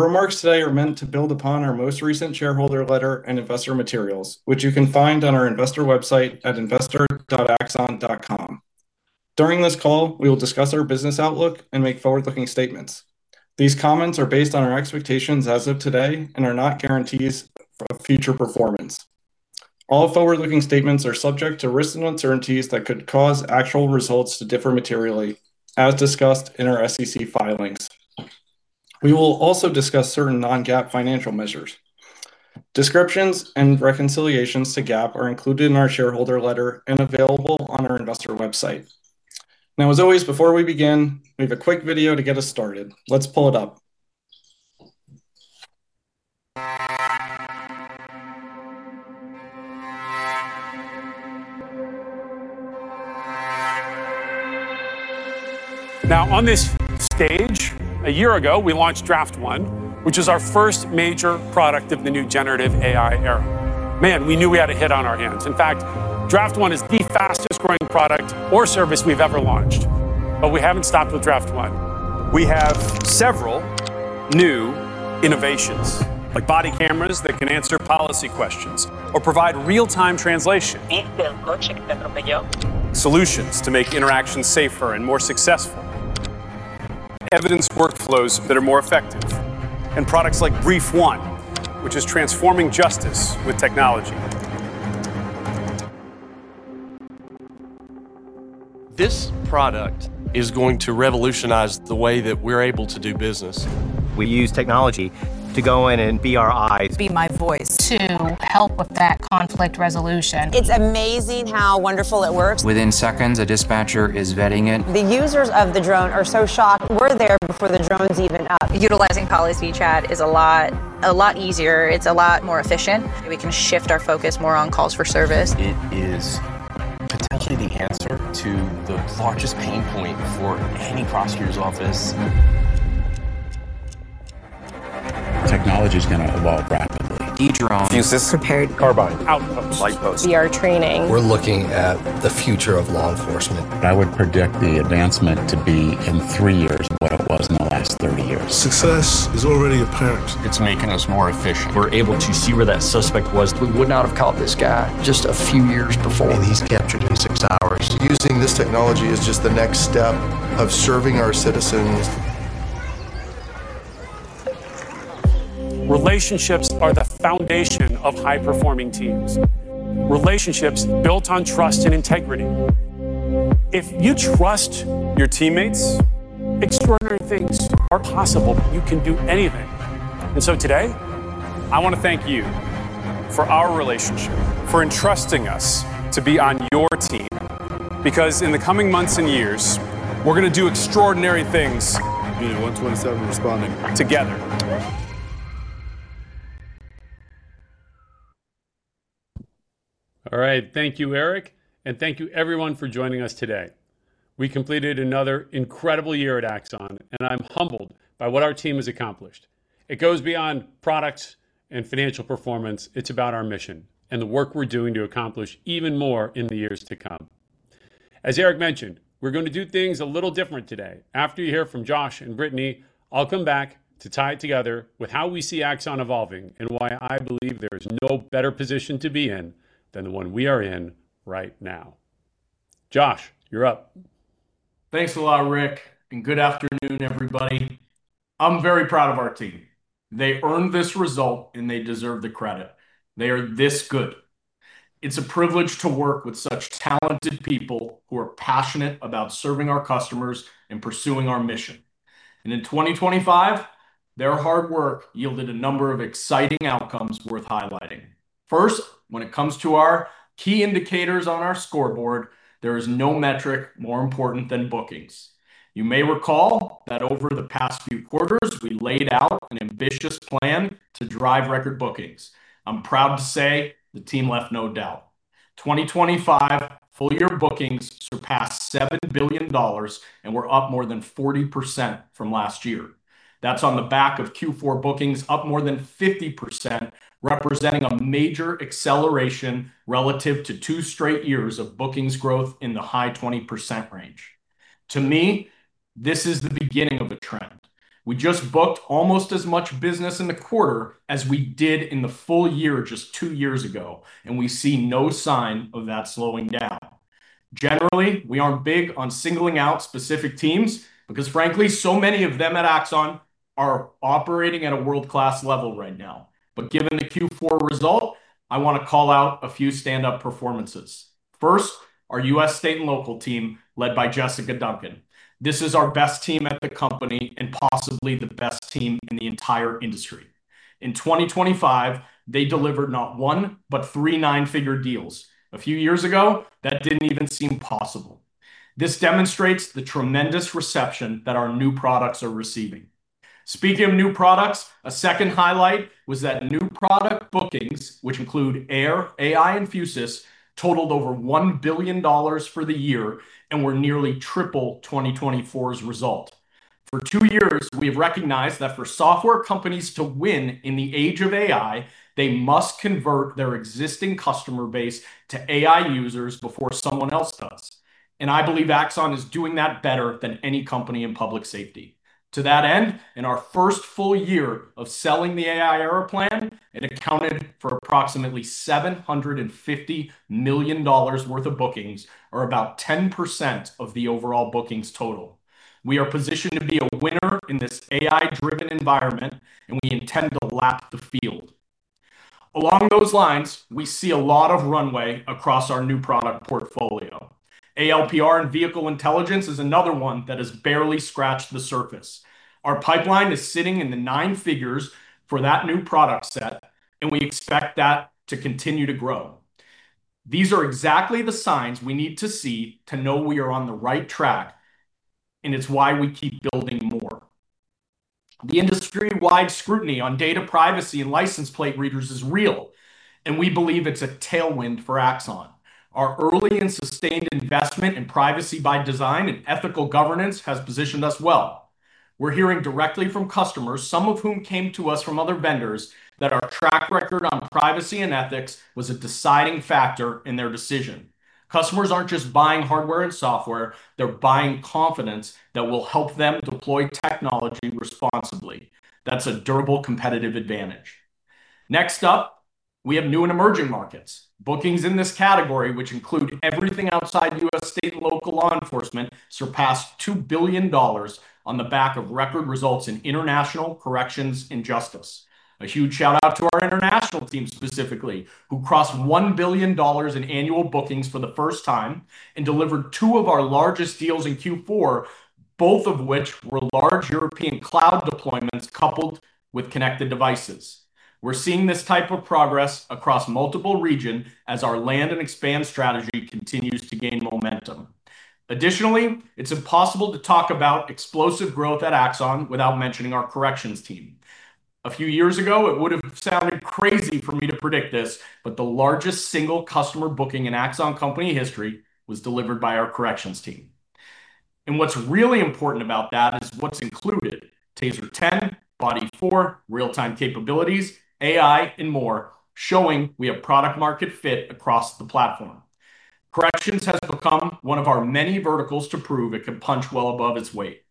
Our remarks today are meant to build upon our most recent shareholder letter and investor materials, which you can find on our investor website at investor.axon.com. During this call, we will discuss our business outlook and make forward-looking statements. These comments are based on our expectations as of today and are not guarantees of future performance. All forward-looking statements are subject to risks and uncertainties that could cause actual results to differ materially, as discussed in our SEC filings. We will also discuss certain non-GAAP financial measures. Descriptions and reconciliations to GAAP are included in our shareholder letter and available on our investor website. Now, as always, before we begin, we have a quick video to get us started. Let's pull it up. On this stage, a year ago, we launched Draft One, which is our first major product of the new generative AI Era. Man, we knew we had a hit on our hands. In fact, Draft One is the fastest-growing product or service we've ever launched. We haven't stopped with Draft One. We have several new innovations, like body cameras that can answer policy questions or provide real-time translation. Solutions to make interactions safer and more successful. Evidence workflows that are more effective. Products like Brief One, which is transforming justice with technology. This product is going to revolutionize the way that we're able to do business. We use technology to go in and be our eyes. Be my voice. To help with that conflict resolution. It's amazing how wonderful it works. Within seconds, a dispatcher is vetting it. The users of the drone are so shocked. We're there before the drone's even up. Utilizing Policy Chat is a lot easier. It's a lot more efficient, and we can shift our focus more on calls for service. It is potentially the answer to the largest pain point for any prosecutor's office. Technology is gonna evolve rapidly. Dedrone. Fusus. Prepared. Carbyne. Outpost. VR Training. We're looking at the future of law enforcement. I would predict the advancement to be in three years, what it was in the last 30 years. Success is already apparent. It's making us more efficient. We're able to see where that suspect was. We would not have caught this guy just a few years before. He's captured in six hours. Using this technology is just the next step of serving our citizens. Relationships are the foundation of high-performing teams, relationships built on trust and integrity. If you trust your teammates, extraordinary things are possible. You can do anything. Today, I want to thank you for our relationship, for entrusting us to be on your team, because in the coming months and years, we're going to do extraordinary things. Unit 127 responding. Together. All right. Thank you, Eric, and thank you everyone for joining us today. We completed another incredible year at Axon, and I'm humbled by what our team has accomplished. It goes beyond products and financial performance. It's about our mission and the work we're doing to accomplish even more in the years to come. As Eric mentioned, we're going to do things a little different today. After you hear from Josh and Brittany, I'll come back to tie it together with how we see Axon evolving and why I believe there is no better position to be in than the one we are in right now. Josh, you're up. Thanks a lot, Rick, and good afternoon, everybody. I'm very proud of our team. They earned this result, and they deserve the credit. They are this good. It's a privilege to work with such talented people who are passionate about serving our customers and pursuing our mission. In 2025, their hard work yielded a number of exciting outcomes worth highlighting. First, when it comes to our key indicators on our scoreboard, there is no metric more important than bookings. You may recall that over the past few quarters, we laid out an ambitious plan to drive record bookings. I'm proud to say the team left no doubt. 2025 full-year bookings surpassed $7 billion, and we're up more than 40% from last year. That's on the back of fourth quarter bookings, up more than 50%, representing a major acceleration relative to two straight years of bookings growth in the high 20% range. To me, this is the beginning of a trend. We just booked almost as much business in the quarter as we did in the full year, just two years ago, and we see no sign of that slowing down. Generally, we aren't big on singling out specific teams because frankly, so many of them at Axon are operating at a world-class level right now. Given the fourth quarter result, I want to call out a few stand-up performances. First, our US state and local team, led by Jessica Duncan. This is our best team at the company and possibly the best team in the entire industry. In 2025, they delivered not one, but three nine-figure deals. A few years ago, that didn't even seem possible. This demonstrates the tremendous reception that our new products are receiving. Speaking of new products, a second highlight was that new product bookings, which include Air, AI and Fusus, totaled over $1 billion for the year and were nearly triple 2024's result. For two years, we have recognized that for software companies to win in the age of AI, they must convert their existing customer base to AI users before someone else does, I believe Axon is doing that better than any company in public safety. To that end, in our first full year of selling the AI Era Plan, it accounted for approximately $750 million worth of bookings, or about 10% of the overall bookings total. We are positioned to be a winner in this AI-driven environment. We intend to lap the field. Along those lines, we see a lot of runway across our new product portfolio. ALPR and Vehicle Intelligence is another one that has barely scratched the surface. Our pipeline is sitting in the nine figures for that new product set, and we expect that to continue to grow. These are exactly the signs we need to see to know we are on the right track, and it's why we keep building more. The industry-wide scrutiny on data privacy and license plate readers is real, and we believe it's a tailwind for Axon. Our early and sustained investment in privacy by design and ethical governance has positioned us well. We're hearing directly from customers, some of whom came to us from other vendors, that our track record on privacy and ethics was a deciding factor in their decision. Customers aren't just buying hardware and software, they're buying confidence that will help them deploy technology responsibly. That's a durable competitive advantage. Next up, we have new and emerging markets. Bookings in this category, which include everything outside US state and local law enforcement, surpassed $2 billion on the back of record results in international corrections and justice. A huge shout-out to our international team specifically, who crossed $1 billion in annual bookings for the first time and delivered two of our largest deals in fourth quarter, both of which were large European cloud deployments coupled with connected devices. We're seeing this type of progress across multiple region as our land and expand strategy continues to gain momentum. It's impossible to talk about explosive growth at Axon without mentioning our corrections team. A few years ago, it would have sounded crazy for me to predict this, but the largest single customer booking in Axon company history was delivered by our corrections team. What's really important about that is what's included: TASER 10, Body 4, real-time capabilities, AI, and more, showing we have product market fit across the platform. Corrections has become one of our many verticals to prove it can punch well above its weight.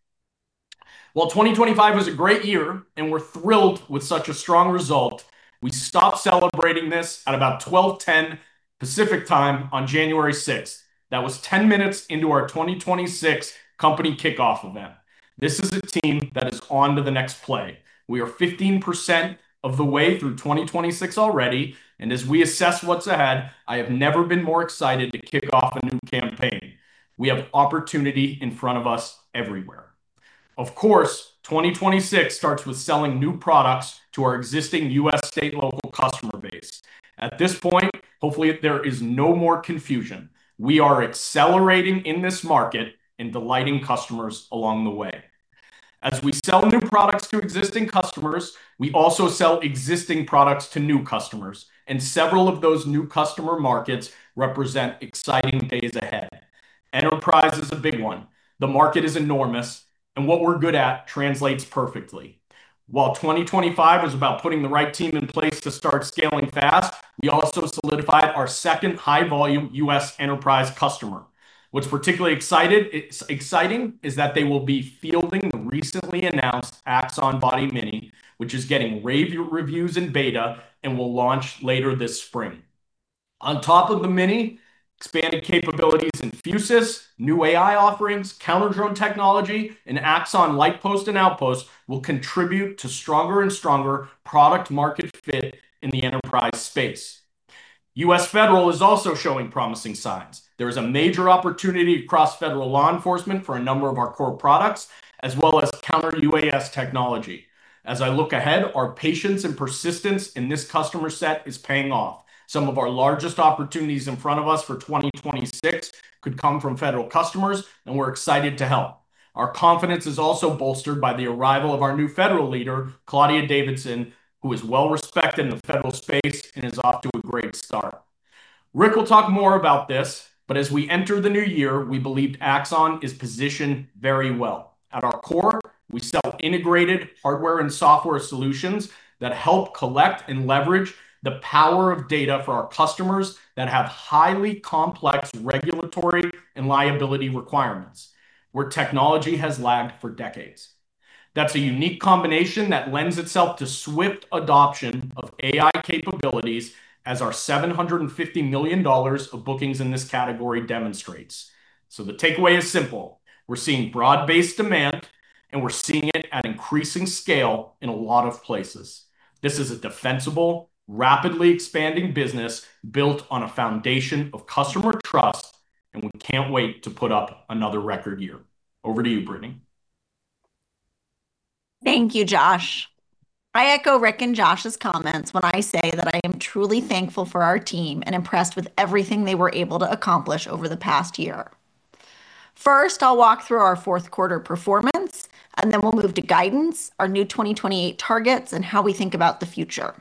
While 2025 was a great year, and we're thrilled with such a strong result, we stopped celebrating this at about 12:10PM Pacific Time on 6 January 2026. That was 10 minutes into our 2026 company kickoff event. This is a team that is on to the next play. We are 15% of the way through 2026 already. As we assess what's ahead, I have never been more excited to kick off a new campaign. We have opportunity in front of us everywhere. Of course, 2026 starts with selling new products to our existing US state and local customer base. At this point, hopefully, there is no more confusion. We are accelerating in this market and delighting customers along the way. As we sell new products to existing customers, we also sell existing products to new customers, and several of those new customer markets represent exciting days ahead. Enterprise is a big one. The market is enormous. What we're good at translates perfectly. While 2025 is about putting the right team in place to start scaling fast, we also solidified our second high-volume US enterprise customer. What's particularly exciting is that they will be fielding the recently announced Axon Body Mini, which is getting rave reviews in beta and will launch later this spring. On top of the Mini, expanded capabilities in Fusus, new AI offerings, counter-drone technology, and Axon Lightpost and Axon Outpost will contribute to stronger and stronger product market fit in the enterprise space. US Federal is also showing promising signs. There is a major opportunity across federal law enforcement for a number of our core products, as well as counter-UAS technology. As I look ahead, our patience and persistence in this customer set is paying off. Some of our largest opportunities in front of us for 2026 could come from federal customers. We're excited to help. Our confidence is also bolstered by the arrival of our new federal leader, Claudia Davidson, who is well-respected in the federal space and is off to a great start. Rick will talk more about this. As we enter the new year, we believe Axon is positioned very well. At our core, we sell integrated hardware and software solutions that help collect and leverage the power of data for our customers that have highly complex regulatory and liability requirements, where technology has lagged for decades. That's a unique combination that lends itself to swift adoption of AI capabilities, as our $750 million of bookings in this category demonstrates. The takeaway is simple: We're seeing broad-based demand, and we're seeing it at increasing scale in a lot of places. This is a defensible, rapidly expanding business built on a foundation of customer trust. We can't wait to put up another record year. Over to you, Brittany. Thank you, Josh. I echo Rick and Josh's comments when I say that I am truly thankful for our team and impressed with everything they were able to accomplish over the past year. First, I'll walk through our fourth quarter performance, then we'll move to guidance, our new 2028 targets, and how we think about the future.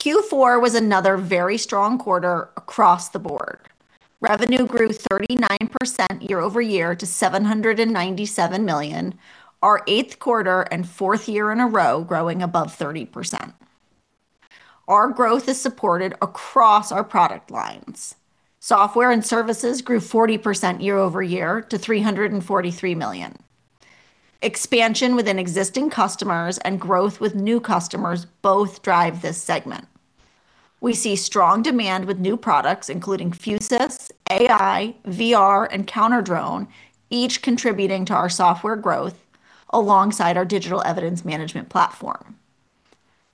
fourth quarter was another very strong quarter across the board. Revenue grew 39% year-over-year to $797 million, our eighth quarter and fourth year in a row, growing above 30%. Our growth is supported across our product lines. Software and services grew 40% year-over-year to $343 million. Expansion within existing customers and growth with new customers both drive this segment. We see strong demand with new products, including Fusus, AI, VR, and Counter-drone, each contributing to our software growth, alongside our digital evidence management platform.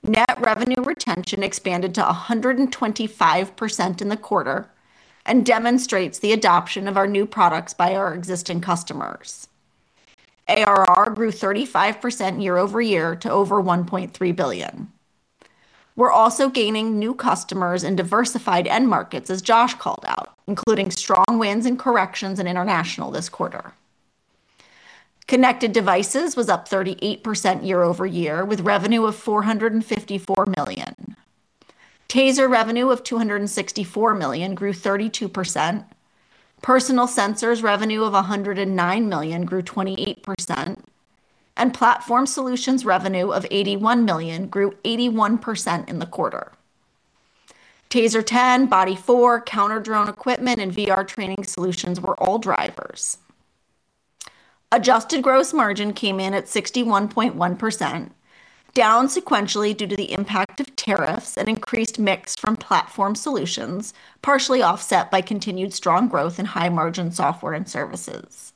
Net revenue retention expanded to 125% in the quarter, demonstrates the adoption of our new products by our existing customers. ARR grew 35% year-over-year to over $1.3 billion. We're also gaining new customers in diversified end markets, as Josh called out, including strong wins in corrections and international this quarter. Connected devices was up 38% year-over-year, with revenue of $454 million. TASER revenue of $264 million grew 32%. Personal sensors revenue of $109 million grew 28%, platform solutions revenue of $81 million grew 81% in the quarter. TASER 10, Body 4, Counter-drone equipment, and VR Training solutions were all drivers. Adjusted gross margin came in at 61.1%, down sequentially due to the impact of tariffs and increased mix from platform solutions, partially offset by continued strong growth in high-margin software and services.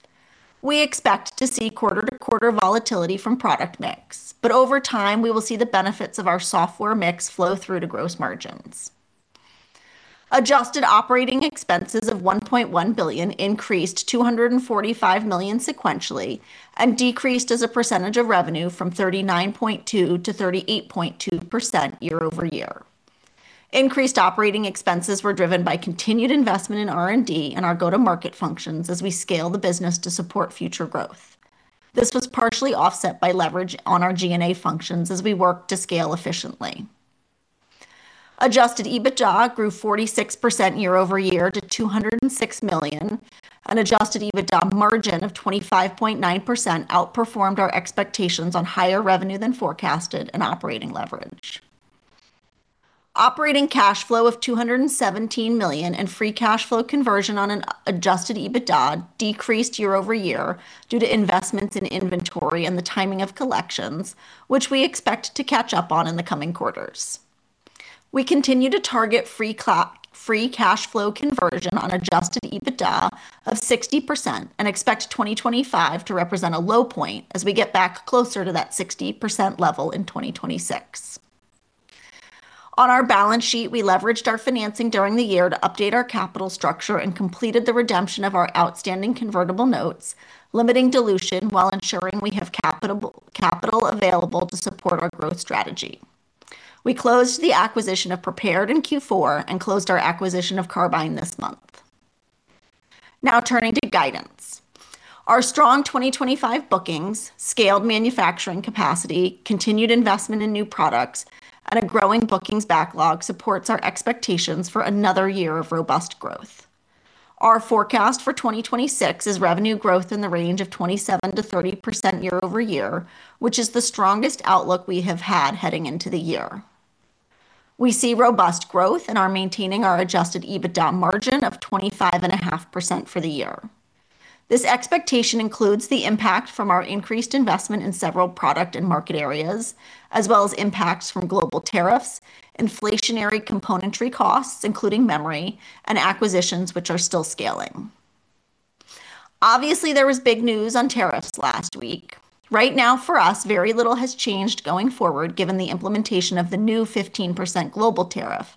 We expect to see quarter-to-quarter volatility from product mix, but over time, we will see the benefits of our software mix flow through to gross margins. Adjusted operating expenses of $1.1 billion increased $245 million sequentially, and decreased as a percentage of revenue from 39.2% to 38.2% year-over-year. Increased operating expenses were driven by continued investment in R&D and our go-to-market functions as we scale the business to support future growth. This was partially offset by leverage on our G&A functions as we work to scale efficiently. Adjusted EBITDA grew 46% year-over-year to $206 million. An adjusted EBITDA margin of 25.9% outperformed our expectations on higher revenue than forecasted and operating leverage. Operating cash flow of $217 million, Free cash flow conversion on adjusted EBITDA decreased year-over-year due to investments in inventory and the timing of collections, which we expect to catch up on in the coming quarters. We continue to target free cash flow conversion on adjusted EBITDA of 60%, and expect 2025 to represent a low point as we get back closer to that 60% level in 2026. On our balance sheet, we leveraged our financing during the year to update our capital structure and completed the redemption of our outstanding convertible notes, limiting dilution while ensuring we have capital available to support our growth strategy. We closed the acquisition of Prepared in fourth quarter and closed our acquisition of Carbyne this month. Turning to guidance. Our strong 2025 bookings, scaled manufacturing capacity, continued investment in new products, and a growing bookings backlog supports our expectations for another year of robust growth. Our forecast for 2026 is revenue growth in the range of 27% to 30% year-over-year, which is the strongest outlook we have had heading into the year. We see robust growth and are maintaining our adjusted EBITDA margin of 25.5% for the year. This expectation includes the impact from our increased investment in several product and market areas, as well as impacts from global tariffs, inflationary componentry costs, including memory and acquisitions, which are still scaling. Obviously, there was big news on tariffs last week. Right now, for us, very little has changed going forward, given the implementation of the new 15% global tariff.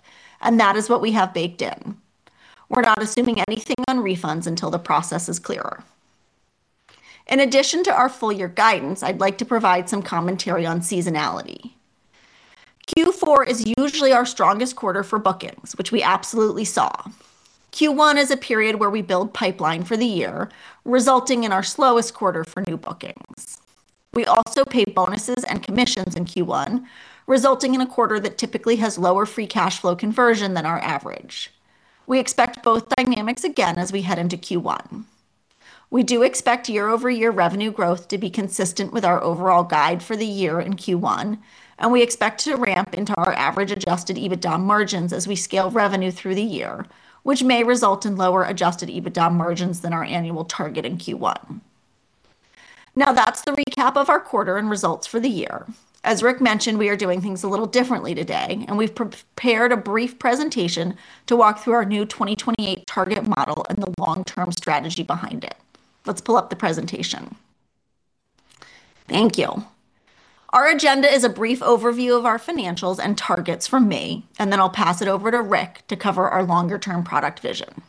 That is what we have baked in. We're not assuming anything on refunds until the process is clearer. In addition to our full year guidance, I'd like to provide some commentary on seasonality. fourth quarter is usually our strongest quarter for bookings, which we absolutely saw. first quarter is a period where we build pipeline for the year, resulting in our slowest quarter for new bookings. We also pay bonuses and commissions in first quarter, resulting in a quarter that typically has lower free cash flow conversion than our average. We expect both dynamics again as we head into first quarter. We do expect year-over-year revenue growth to be consistent with our overall guide for the year in first quarter. We expect to ramp into our average adjusted EBITDA margins as we scale revenue through the year, which may result in lower adjusted EBITDA margins than our annual target in first quarter. That's the recap of our quarter and results for the year. As Rick mentioned, we are doing things a little differently today. We've prepared a brief presentation to walk through our new 2028 target model and the long-term strategy behind it. Let's pull up the presentation. Thank you. Our agenda is a brief overview of our financials and targets from me. Then I'll pass it over to Rick to cover our longer-term product vision.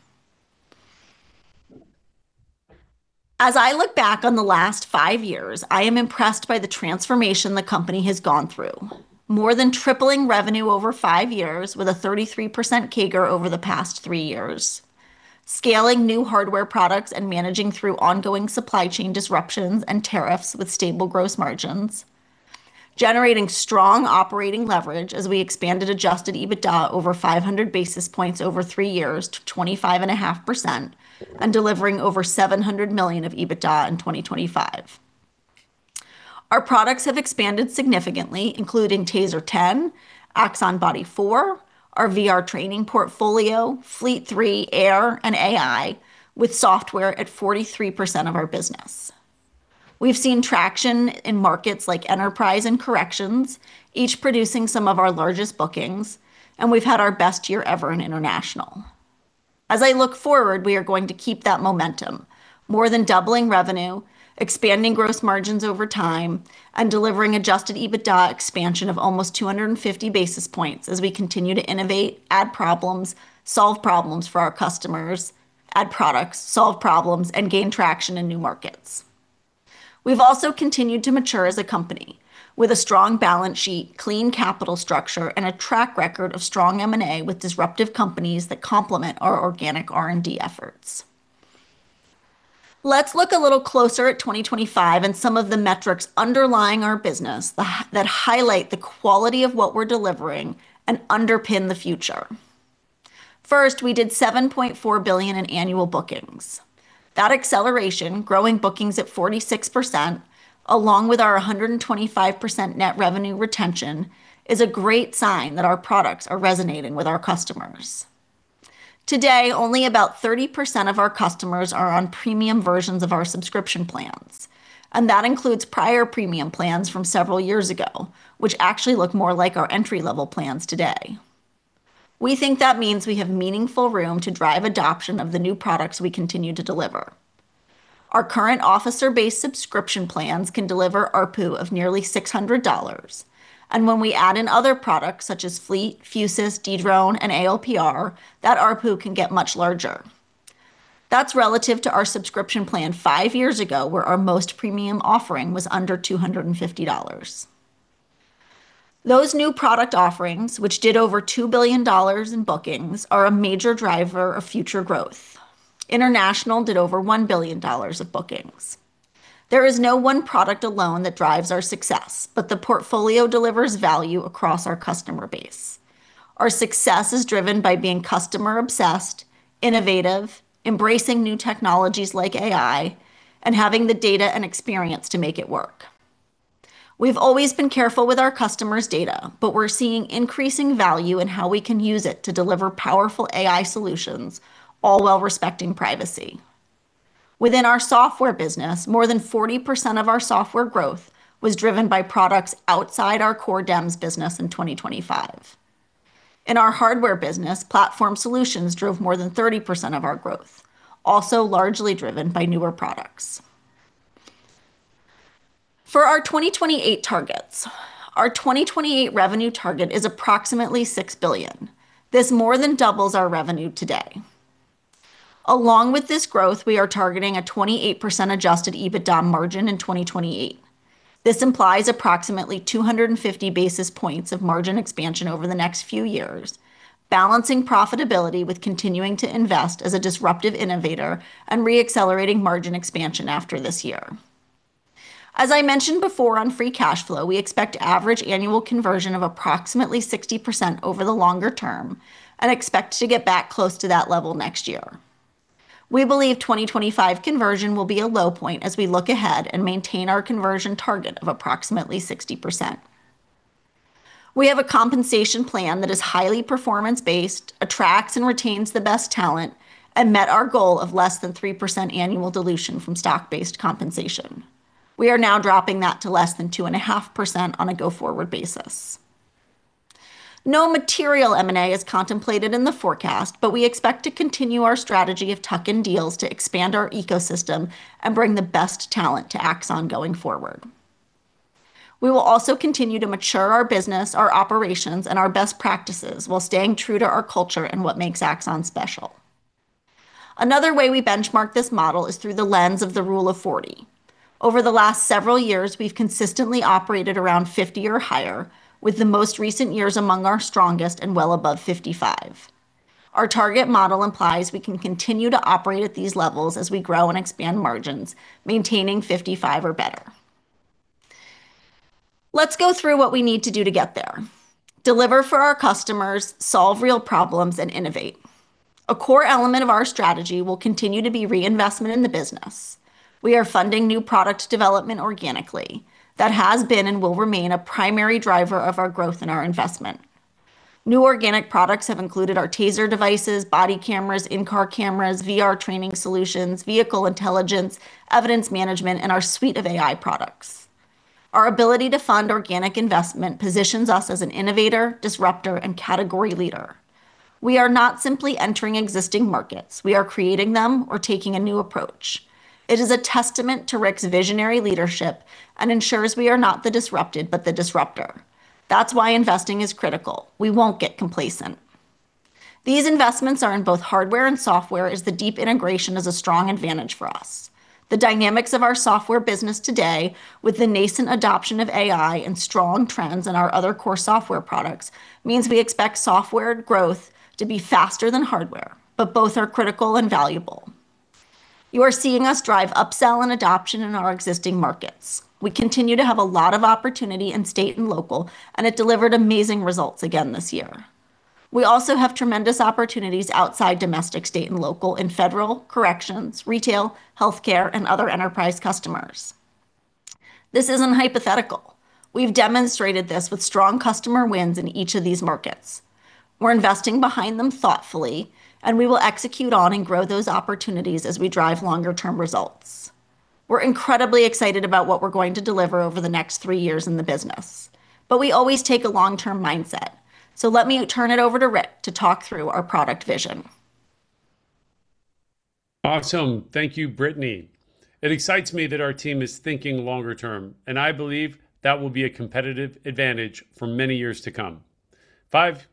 As I look back on the last five years, I am impressed by the transformation the company has gone through. More than tripling revenue over five years with a 33% CAGR over the past three years. Scaling new hardware products and managing through ongoing supply chain disruptions and tariffs with stable gross margins. Generating strong operating leverage as we expanded adjusted EBITDA over 500 basis points over three years to 25.5%, and delivering over $700 million of EBITDA in 2025. Our products have expanded significantly, including TASER 10, Axon Body 4, our VR Training portfolio, Fleet 3, Air, and AI, with software at 43% of our business. We've seen traction in markets like enterprise and corrections, each producing some of our largest bookings, and we've had our best year ever in international. As I look forward, we are going to keep that momentum, more than doubling revenue, expanding gross margins over time, and delivering adjusted EBITDA expansion of almost 250 basis points as we continue to innovate, add problems, solve problems for our customers, add products, solve problems, and gain traction in new markets. We've also continued to mature as a company with a strong balance sheet, clean capital structure, and a track record of strong M&A with disruptive companies that complement our organic R&D efforts. Let's look a little closer at 2025 and some of the metrics underlying our business that highlight the quality of what we're delivering and underpin the future. We did $7.4 billion in annual bookings. That acceleration, growing bookings at 46%, along with our 125% net revenue retention, is a great sign that our products are resonating with our customers. Today, only about 30% of our customers are on premium versions of our subscription plans, and that includes prior premium plans from several years ago, which actually look more like our entry-level plans today. We think that means we have meaningful room to drive adoption of the new products we continue to deliver. Our current officer-based subscription plans can deliver ARPU of nearly $600, and when we add in other products such as Fleet, Fusus, Dedrone, and ALPR, that ARPU can get much larger. That's relative to our subscription plan five years ago, where our most premium offering was under $250. Those new product offerings, which did over $2 billion in bookings, are a major driver of future growth. International did over $1 billion of bookings. There is no one product alone that drives our success, but the portfolio delivers value across our customer base. Our success is driven by being customer-obsessed, innovative, embracing new technologies like AI, and having the data and experience to make it work. We've always been careful with our customers' data, but we're seeing increasing value in how we can use it to deliver powerful AI solutions, all while respecting privacy. Within our software business, more than 40% of our software growth was driven by products outside our core DEMS business in 2025. In our hardware business, platform solutions drove more than 30% of our growth, also largely driven by newer products. For our 2028 targets, our 2028 revenue target is approximately $6 billion. This more than doubles our revenue today. Along with this growth, we are targeting a 28% adjusted EBITDA margin in 2028. This implies approximately 250 basis points of margin expansion over the next few years, balancing profitability with continuing to invest as a disruptive innovator and re-accelerating margin expansion after this year. As I mentioned before on free cash flow, we expect average annual conversion of approximately 60% over the longer term and expect to get back close to that level next year. We believe 2025 conversion will be a low point as we look ahead and maintain our conversion target of approximately 60%. We have a compensation plan that is highly performance-based, attracts and retains the best talent, and met our goal of less than 3% annual dilution from stock-based compensation. We are now dropping that to less than 2.5% on a go-forward basis. No material M&A is contemplated in the forecast. We expect to continue our strategy of tuck-in deals to expand our ecosystem and bring the best talent to Axon going forward. We will also continue to mature our business, our operations, and our best practices while staying true to our culture and what makes Axon special. Another way we benchmark this model is through the lens of the Rule of 40. Over the last several years, we've consistently operated around 50 or higher, with the most recent years among our strongest and well above 55. Our target model implies we can continue to operate at these levels as we grow and expand margins, maintaining 55% or better. Let's go through what we need to do to get there: deliver for our customers, solve real problems, and innovate. A core element of our strategy will continue to be reinvestment in the business. We are funding new product development organically. That has been and will remain a primary driver of our growth and our investment. New organic products have included our TASER devices, body cameras, in-car cameras, VR Training solutions, Vehicle Intelligence, evidence management, and our suite of AI products. Our ability to fund organic investment positions us as an innovator, disruptor, and category leader. We are not simply entering existing markets. We are creating them or taking a new approach. It is a testament to Rick's visionary leadership and ensures we are not the disrupted, but the disruptor. That's why investing is critical. We won't get complacent. These investments are in both hardware and software, as the deep integration is a strong advantage for us. The dynamics of our software business today, with the nascent adoption of AI and strong trends in our other core software products, means we expect software growth to be faster than hardware, but both are critical and valuable. You are seeing us drive upsell and adoption in our existing markets. We continue to have a lot of opportunity in state and local, and it delivered amazing results again this year. We also have tremendous opportunities outside domestic, state, and local, and federal corrections, retail, healthcare, and other enterprise customers. This isn't hypothetical. We've demonstrated this with strong customer wins in each of these markets. We're investing behind them thoughtfully. We will execute on and grow those opportunities as we drive longer-term results. We're incredibly excited about what we're going to deliver over the next three years in the business. We always take a long-term mindset. Let me turn it over to Rick to talk through our product vision. Awesome. Thank you, Brittany. It excites me that our team is thinking longer term, I believe that will be a competitive advantage for many years to come. Five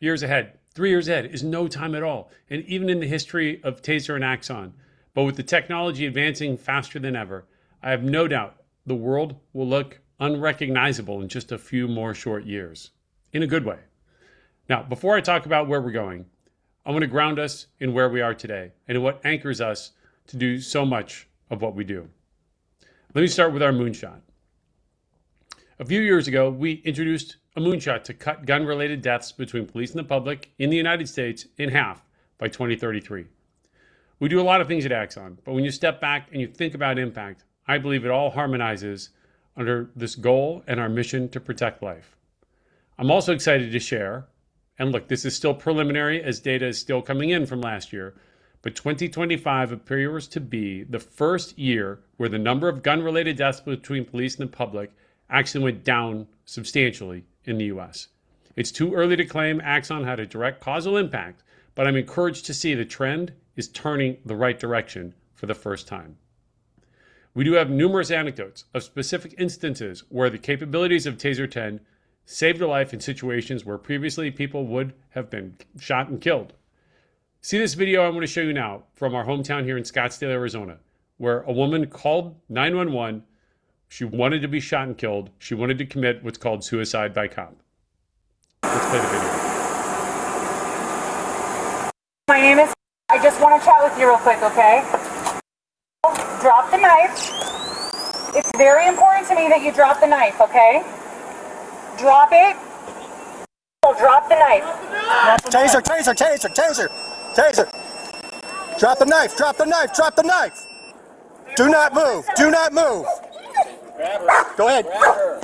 years ahead, three years ahead is no time at all, and even in the history of TASER and Axon. With the technology advancing faster than ever, I have no doubt the world will look unrecognizable in just a few more short years, in a good way. Before I talk about where we're going, I want to ground us in where we are today and what anchors us to do so much of what we do. Let me start with our moonshot. A few years ago, we introduced a moonshot to cut gun-related deaths between police and the public in the United States in half by 2033. We do a lot of things at Axon, but when you step back and you think about impact, I believe it all harmonizes under this goal and our mission to protect life. I'm also excited to share, and look, this is still preliminary as data is still coming in from last year, but 2025 appears to be the first year where the number of gun-related deaths between police and the public actually went down substantially in the US. It's too early to claim Axon had a direct causal impact, but I'm encouraged to see the trend is turning the right direction for the first time. We do have numerous anecdotes of specific instances where the capabilities of TASER 10 saved a life in situations where previously people would have been shot and killed. See this video I'm going to show you now from our hometown here in Scottsdale, Arizona, where a woman called 911. She wanted to be shot and killed. She wanted to commit what's called suicide by cop. Let's play the video. I just want to chat with you real quick, okay? Drop the knife. It's very important to me that you drop the knife, okay? Drop it. Drop the knife. Drop the knife! TASER, TASER, TASER. Drop the knife, drop the knife, drop the knife. Do not move. Do not move. Grab her. Go ahead. Grab her.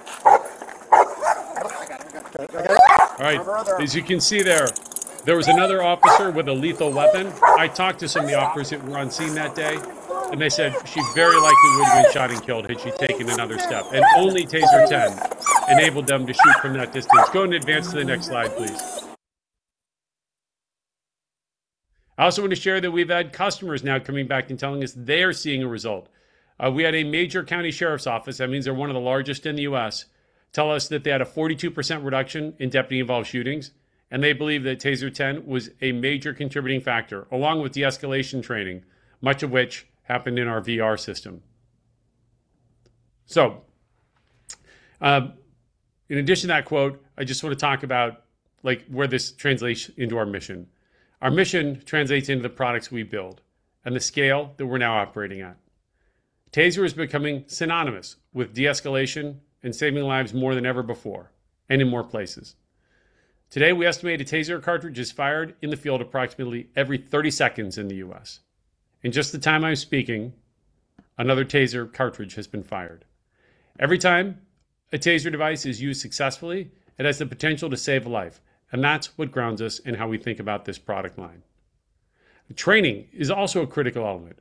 I got her, I got her. All right. As you can see there was another officer with a lethal weapon. I talked to some of the officers that were on scene that day, and they said she very likely would have been shot and killed had she taken another step, and only TASER 10 enabled them to shoot from that distance. Go and advance to the next slide, please. I also want to share that we've had customers now coming back and telling us they are seeing a result. We had a major county sheriff's office, that means they're one of the largest in the US, tell us that they had a 42% reduction in deputy-involved shootings, and they believe that TASER 10 was a major contributing factor, along with de-escalation training, much of which happened in our VR system. In addition to that quote, I just want to talk about, like, where this translates into our mission. Our mission translates into the products we build and the scale that we're now operating at. TASER is becoming synonymous with de-escalation and saving lives more than ever before, and in more places. Today, we estimate a TASER cartridge is fired in the field approximately every 30 seconds in the US In just the time I'm speaking, another TASER cartridge has been fired. Every time a TASER device is used successfully, it has the potential to save a life, and that's what grounds us in how we think about this product line. Training is also a critical element.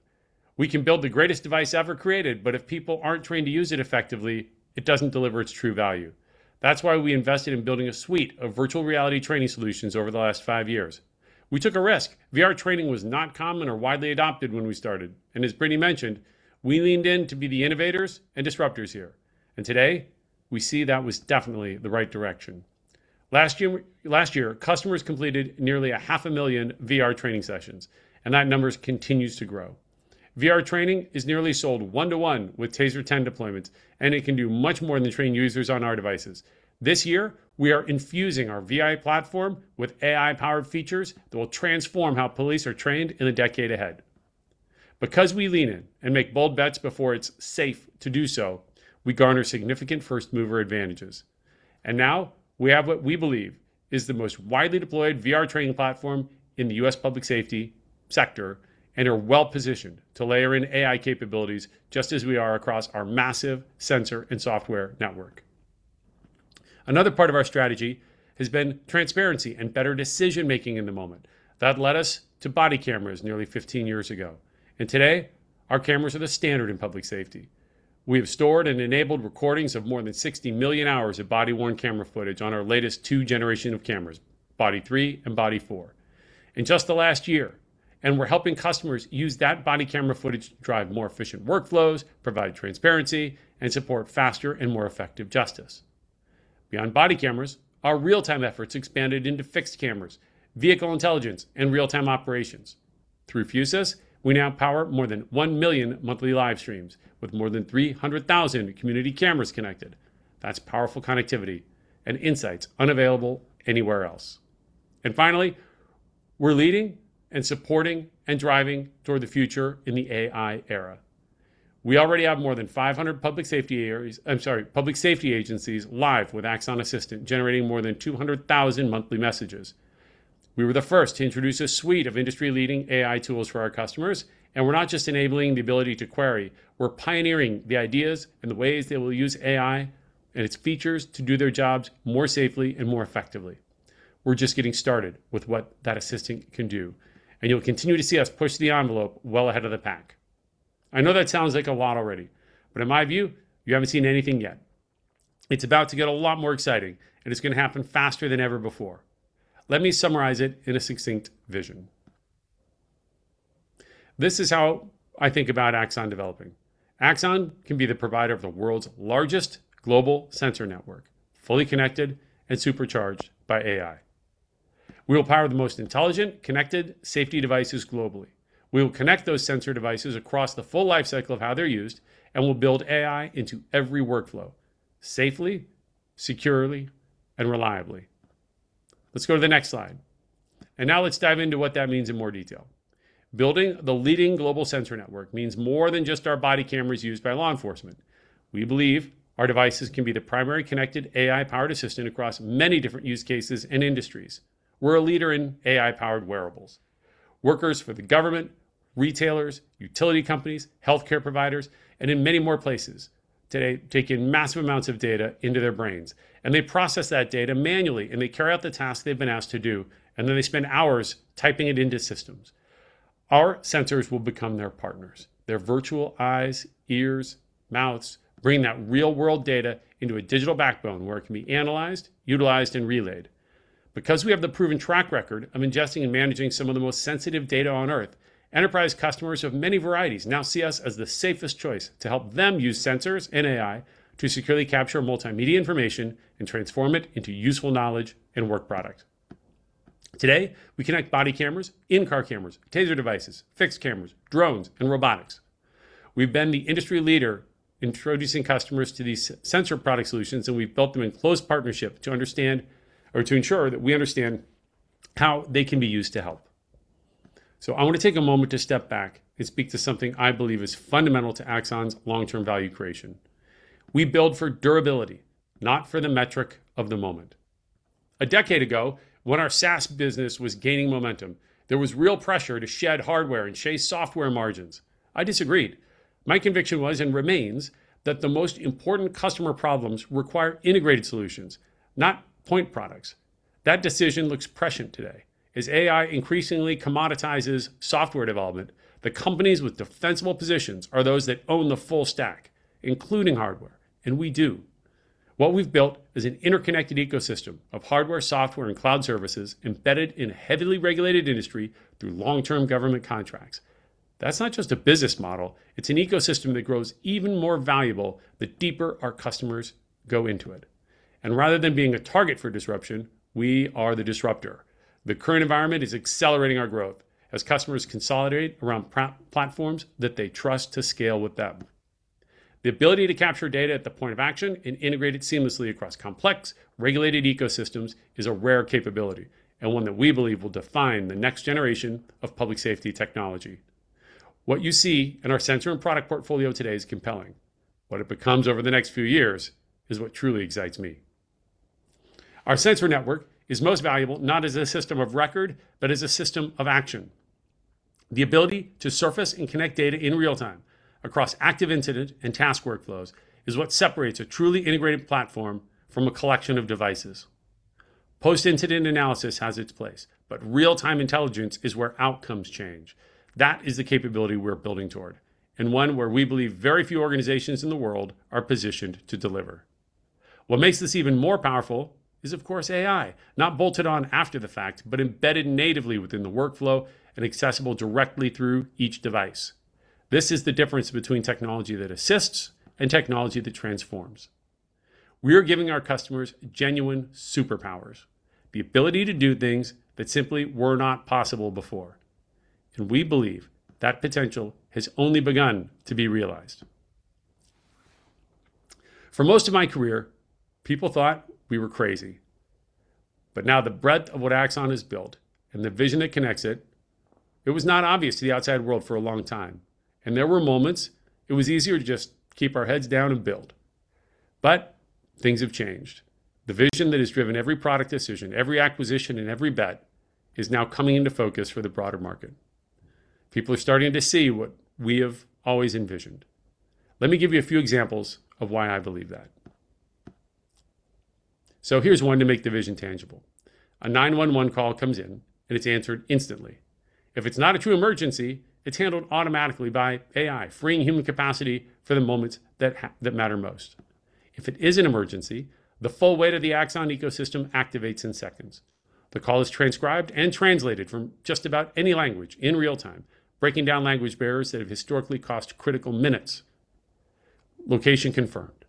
We can build the greatest device ever created, but if people aren't trained to use it effectively, it doesn't deliver its true value. That's why we invested in building a suite of virtual reality training solutions over the last five years. We took a risk. VR training was not common or widely adopted when we started. As Brittany mentioned, we leaned in to be the innovators and disruptors here. Today, we see that was definitely the right direction. Last year, customers completed nearly a half a million VR training sessions. That numbers continues to grow. VR training is nearly sold one-to-one with TASER 10 deployments. It can do much more than train users on our devices. This year, we are infusing our VR platform with AI-powered features that will transform how police are trained in the decade ahead. We lean in and make bold bets before it's safe to do so, we garner significant first-mover advantages, and now we have what we believe is the most widely deployed VR Training platform in the US public safety sector and are well-positioned to layer in AI capabilities, just as we are across our massive sensor and software network. Another part of our strategy has been transparency and better decision-making in the moment. That led us to body cameras nearly 15 years ago. Today, our cameras are the standard in public safety. We have stored and enabled recordings of more than 60 million hours of body-worn camera footage on our latest two generation of cameras, Axon Body 3 and Axon Body 4. In just the last year, we're helping customers use that body camera footage to drive more efficient workflows, provide transparency, and support faster and more effective justice. Beyond body cameras, our real-time efforts expanded into fixed cameras, vehicle intelligence, and real-time operations. Through Fusus, we now power more than 1 million monthly live streams with more than 300,000 community cameras connected. That's powerful connectivity and insights unavailable anywhere else. Finally, we're leading and supporting and driving toward the future in the AI Era. We already have more than 500 public safety agencies live with Axon Assistant, generating more than 200,000 monthly messages. We were the first to introduce a suite of industry-leading AI tools for our customers, we're not just enabling the ability to query, we're pioneering the ideas and the ways they will use AI and its features to do their jobs more safely and more effectively. We're just getting started with what that Axon Assistant can do, and you'll continue to see us push the envelope well ahead of the pack. I know that sounds like a lot already, but in my view, you haven't seen anything yet. It's about to get a lot more exciting, and it's gonna happen faster than ever before. Let me summarize it in a succinct vision. This is how I think about Axon developing. Axon can be the provider of the world's largest global sensor network, fully connected and supercharged by AI. We will power the most intelligent, connected safety devices globally. We will connect those sensor devices across the full life cycle of how they're used, and we'll build AI into every workflow safely, securely, and reliably. Let's go to the next slide. Now let's dive into what that means in more detail. Building the leading global sensor network means more than just our body cameras used by law enforcement. We believe our devices can be the primary connected AI-powered assistant across many different use cases and industries. We're a leader in AI-powered wearables. Workers for the government, retailers, utility companies, healthcare providers, and in many more places today, take in massive amounts of data into their brains, and they process that data manually, and they carry out the tasks they've been asked to do, and then they spend hours typing it into systems. Our sensors will become their partners, their virtual eyes, ears, mouths, bringing that real-world data into a digital backbone where it can be analyzed, utilized, and relayed. We have the proven track record of ingesting and managing some of the most sensitive data on Earth, enterprise customers of many varieties now see us as the safest choice to help them use sensors and AI to securely capture multimedia information and transform it into useful knowledge and work product. Today, we connect body cameras, in-car cameras, TASER devices, fixed cameras, drones, and robotics. We've been the industry leader introducing customers to these sensor product solutions, and we've built them in close partnership to ensure that we understand how they can be used to help. I want to take a moment to step back and speak to something I believe is fundamental to Axon's long-term value creation. We build for durability, not for the metric of the moment. A decade ago, when our SaaS business was gaining momentum, there was real pressure to shed hardware and chase software margins. I disagreed. My conviction was, and remains, that the most important customer problems require integrated solutions, not point products. That decision looks prescient today. As AI increasingly commoditizes software development, the companies with defensible positions are those that own the full stack, including hardware, and we do. What we've built is an interconnected ecosystem of hardware, software, and cloud services embedded in a heavily regulated industry through long-term government contracts. That's not just a business model, it's an ecosystem that grows even more valuable the deeper our customers go into it. Rather than being a target for disruption, we are the disruptor. The current environment is accelerating our growth as customers consolidate around platforms that they trust to scale with them. The ability to capture data at the point of action and integrate it seamlessly across complex, regulated ecosystems is a rare capability and one that we believe will define the next generation of public safety technology. What you see in our sensor and product portfolio today is compelling. What it becomes over the next few years is what truly excites me. Our sensor network is most valuable, not as a system of record, but as a system of action. The ability to surface and connect data in real time across active incident and task workflows is what separates a truly integrated platform from a collection of devices. Post-incident analysis has its place, but real-time intelligence is where outcomes change. That is the capability we're building toward, and one where we believe very few organizations in the world are positioned to deliver. What makes this even more powerful is, of course, AI, not bolted on after the fact, but embedded natively within the workflow and accessible directly through each device. This is the difference between technology that assists and technology that transforms. We are giving our customers genuine superpowers, the ability to do things that simply were not possible before, and we believe that potential has only begun to be realized. For most of my career, people thought we were crazy, but now the breadth of what Axon has built and the vision that connects it was not obvious to the outside world for a long time, and there were moments it was easier to just keep our heads down and build. Things have changed. The vision that has driven every product decision, every acquisition, and every bet is now coming into focus for the broader market. People are starting to see what we have always envisioned. Let me give you a few examples of why I believe that. Here's one to make the vision tangible. A 911 call comes in. It's answered instantly. If it's not a true emergency, it's handled automatically by AI, freeing human capacity for the moments that matter most. If it is an emergency, the full weight of the Axon ecosystem activates in seconds. The call is transcribed and translated from just about any language in real time, breaking down language barriers that have historically cost critical minutes. Location confirmed,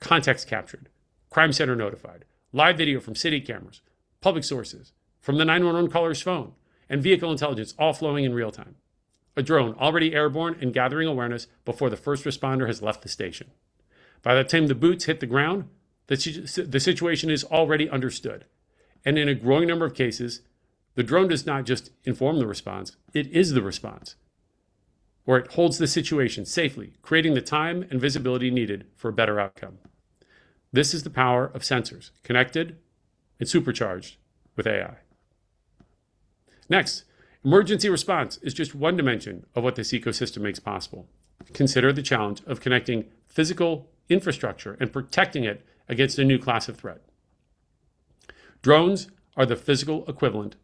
context captured, Crime Center notified, live video from city cameras, public sources, from the 911 caller's phone, and Vehicle Intelligence all flowing in real time. A drone already airborne and gathering awareness before the first responder has left the station. By the time the boots hit the ground, the situation is already understood. In a growing number of cases, the drone does not just inform the response, it is the response. It holds the situation safely, creating the time and visibility needed for a better outcome. This is the power of sensors, connected and supercharged with AI. Emergency response is just one dimension of what this ecosystem makes possible. Consider the challenge of connecting physical infrastructure and protecting it against a new class of threat. Drones are the physical equivalent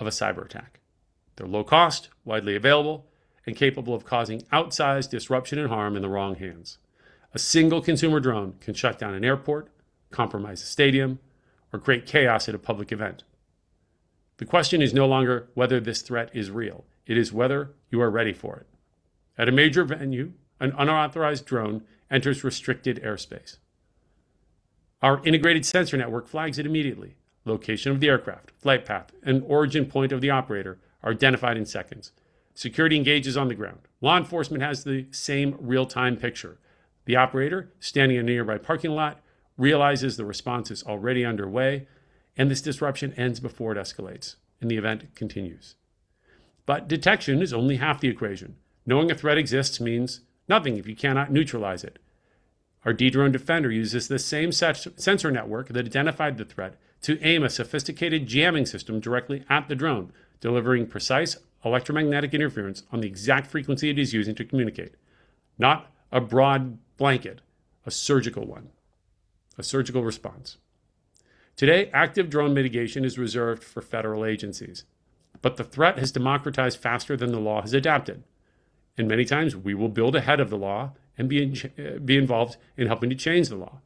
of a cyberattack. They're low cost, widely available, and capable of causing outsized disruption and harm in the wrong hands. A single consumer drone can shut down an airport, compromise a stadium, or create chaos at a public event. The question is no longer whether this threat is real, it is whether you are ready for it. At a major venue, an unauthorized drone enters restricted airspace. Our integrated sensor network flags it immediately. Location of the aircraft, flight path, and origin point of the operator are identified in seconds. Security engages on the ground. Law enforcement has the same real-time picture. The operator, standing in a nearby parking lot, realizes the response is already underway, and this disruption ends before it escalates, and the event continues. Detection is only half the equation. Knowing a threat exists means nothing if you cannot neutralize it. Our Dedrone Defender uses the same sensor network that identified the threat to aim a sophisticated jamming system directly at the drone, delivering precise electromagnetic interference on the exact frequency it is using to communicate. Not a broad blanket, a surgical one, a surgical response. Today, active drone mitigation is reserved for federal agencies. The threat has democratized faster than the law has adapted. Many times, we will build ahead of the law and be involved in helping to change the law.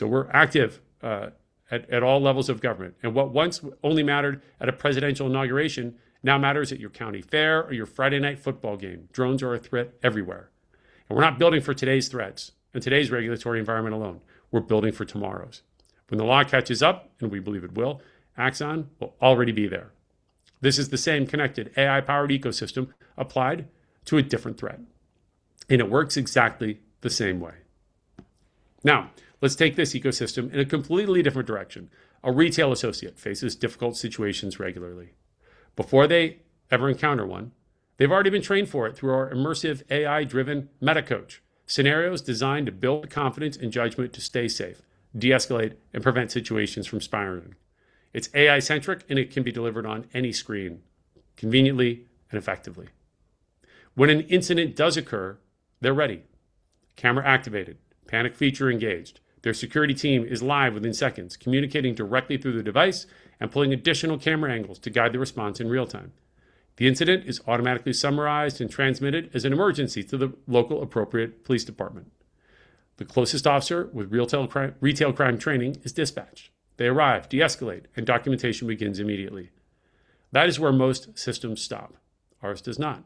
We're active at all levels of government. What once only mattered at a presidential inauguration, now matters at your county fair or your Friday night football game. Drones are a threat everywhere. We're not building for today's threats and today's regulatory environment alone. We're building for tomorrow's. When the law catches up, we believe it will, Axon will already be there. This is the same connected AI-powered ecosystem applied to a different threat. It works exactly the same way. Let's take this ecosystem in a completely different direction. A retail associate faces difficult situations regularly. Before they ever encounter one, they've already been trained for it through our immersive AI-driven Axon MetaCoach, scenarios designed to build confidence and judgment to stay safe, de-escalate, and prevent situations from spiraling. It's AI-centric, and it can be delivered on any screen, conveniently and effectively. When an incident does occur, they're ready. Camera activated, panic feature engaged. Their security team is live within seconds, communicating directly through the device and pulling additional camera angles to guide the response in real time. The incident is automatically summarized and transmitted as an emergency to the local appropriate police department. The closest officer with retail crime training is dispatched. They arrive, de-escalate, and documentation begins immediately. That is where most systems stop. Ours does not.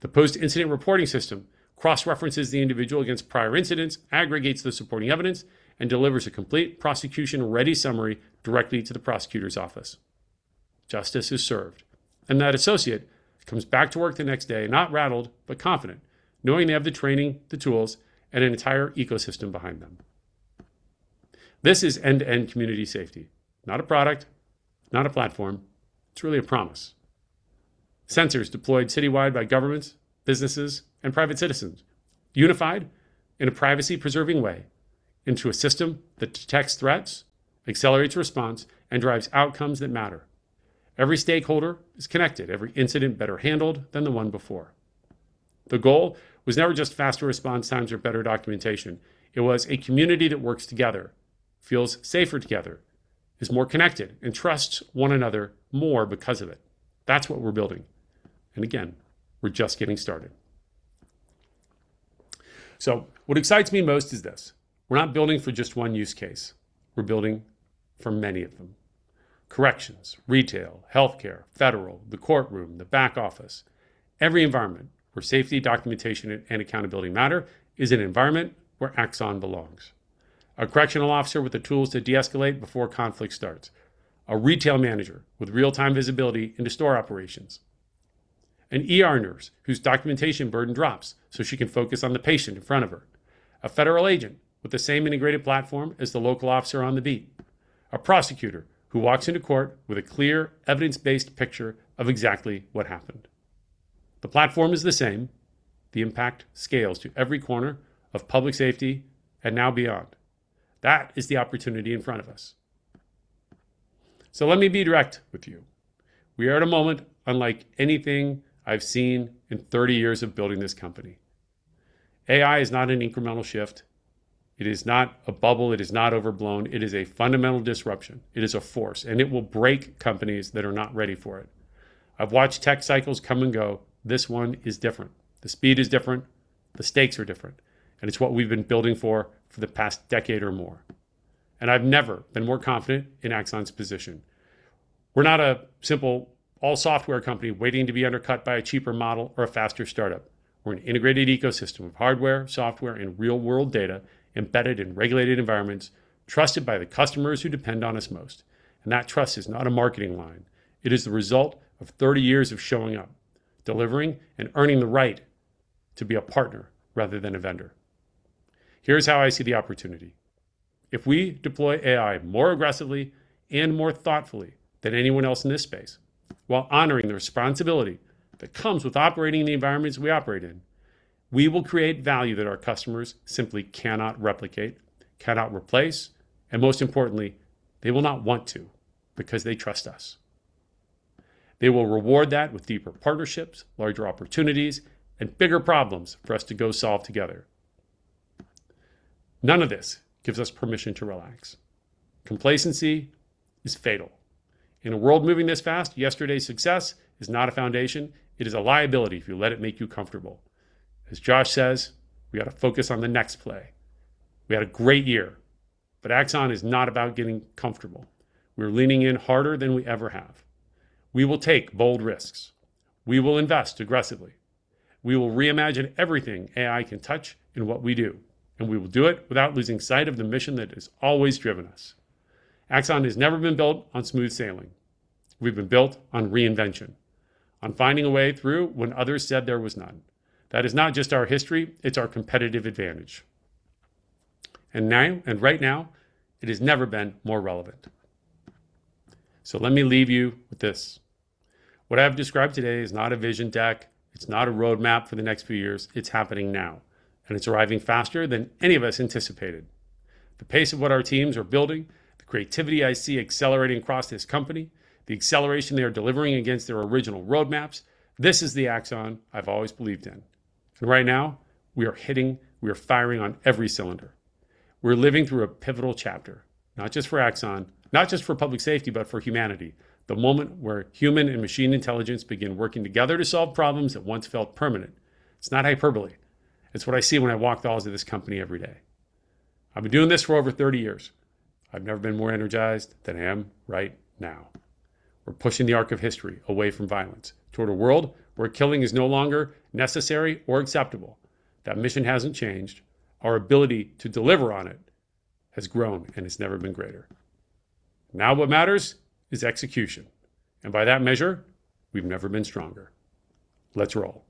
The post-incident reporting system cross-references the individual against prior incidents, aggregates the supporting evidence, and delivers a complete prosecution-ready summary directly to the prosecutor's office. Justice is served, and that associate comes back to work the next day, not rattled, but confident, knowing they have the training, the tools, and an entire ecosystem behind them. This is end-to-end community safety, not a product, not a platform. It's really a promise. Sensors deployed citywide by governments, businesses, and private citizens, unified in a privacy-preserving way into a system that detects threats, accelerates response, and drives outcomes that matter. Every stakeholder is connected, every incident better handled than the one before. The goal was never just faster response times or better documentation. It was a community that works together, feels safer together, is more connected, and trusts one another more because of it. That's what we're building, and again, we're just getting started. What excites me most is this: we're not building for just one use case. We're building for many of them. Corrections, retail, healthcare, federal, the courtroom, the back office, every environment where safety, documentation, and accountability matter is an environment where Axon belongs. A correctional officer with the tools to de-escalate before conflict starts. A retail manager with real-time visibility into store operations. An ER nurse whose documentation burden drops, so she can focus on the patient in front of her. A federal agent with the same integrated platform as the local officer on the beat. A prosecutor who walks into court with a clear, evidence-based picture of exactly what happened. The platform is the same. The impact scales to every corner of public safety and now beyond. That is the opportunity in front of us. Let me be direct with you. We are at a moment unlike anything I've seen in 30 years of building this company. AI is not an incremental shift. It is not a bubble. It is not overblown. It is a fundamental disruption. It is a force, and it will break companies that are not ready for it. I've watched tech cycles come and go. This one is different. The speed is different, the stakes are different, and it's what we've been building for the past decade or more, and I've never been more confident in Axon's position. We're not a simple all-software company waiting to be undercut by a cheaper model or a faster startup. We're an integrated ecosystem of hardware, software, and real-world data embedded in regulated environments, trusted by the customers who depend on us most, and that trust is not a marketing line. It is the result of 30 years of showing up, delivering, and earning the right to be a partner rather than a vendor. Here's how I see the opportunity: if we deploy AI more aggressively and more thoughtfully than anyone else in this space, while honoring the responsibility that comes with operating in the environments we operate in, we will create value that our customers simply cannot replicate, cannot replace, and most importantly, they will not want to because they trust us. They will reward that with deeper partnerships, larger opportunities, and bigger problems for us to go solve together. None of this gives us permission to relax. Complacency is fatal. In a world moving this fast, yesterday's success is not a foundation, it is a liability if you let it make you comfortable. As Josh says, "We gotta focus on the next play." We had a great year, but Axon is not about getting comfortable. We're leaning in harder than we ever have. We will take bold risks. We will invest aggressively. We will reimagine everything AI can touch in what we do, and we will do it without losing sight of the mission that has always driven us. Axon has never been built on smooth sailing. We've been built on reinvention, on finding a way through when others said there was none. That is not just our history, it's our competitive advantage. Now, and right now, it has never been more relevant. Let me leave you with this: What I've described today is not a vision deck, it's not a roadmap for the next few years. It's happening now, and it's arriving faster than any of us anticipated. The pace of what our teams are building, the creativity I see accelerating across this company, the acceleration they are delivering against their original roadmaps, this is the Axon I've always believed in. Right now, we are hitting, we are firing on every cylinder. We're living through a pivotal chapter, not just for Axon, not just for public safety, but for humanity. The moment where human and machine intelligence begin working together to solve problems that once felt permanent. It's not hyperbole, it's what I see when I walk the halls of this company every day. I've been doing this for over 30 years. I've never been more energized than I am right now. We're pushing the arc of history away from violence, toward a world where killing is no longer necessary or acceptable. That mission hasn't changed. Our ability to deliver on it has grown. It's never been greater. Now, what matters is execution. By that measure, we've never been stronger. Let's roll.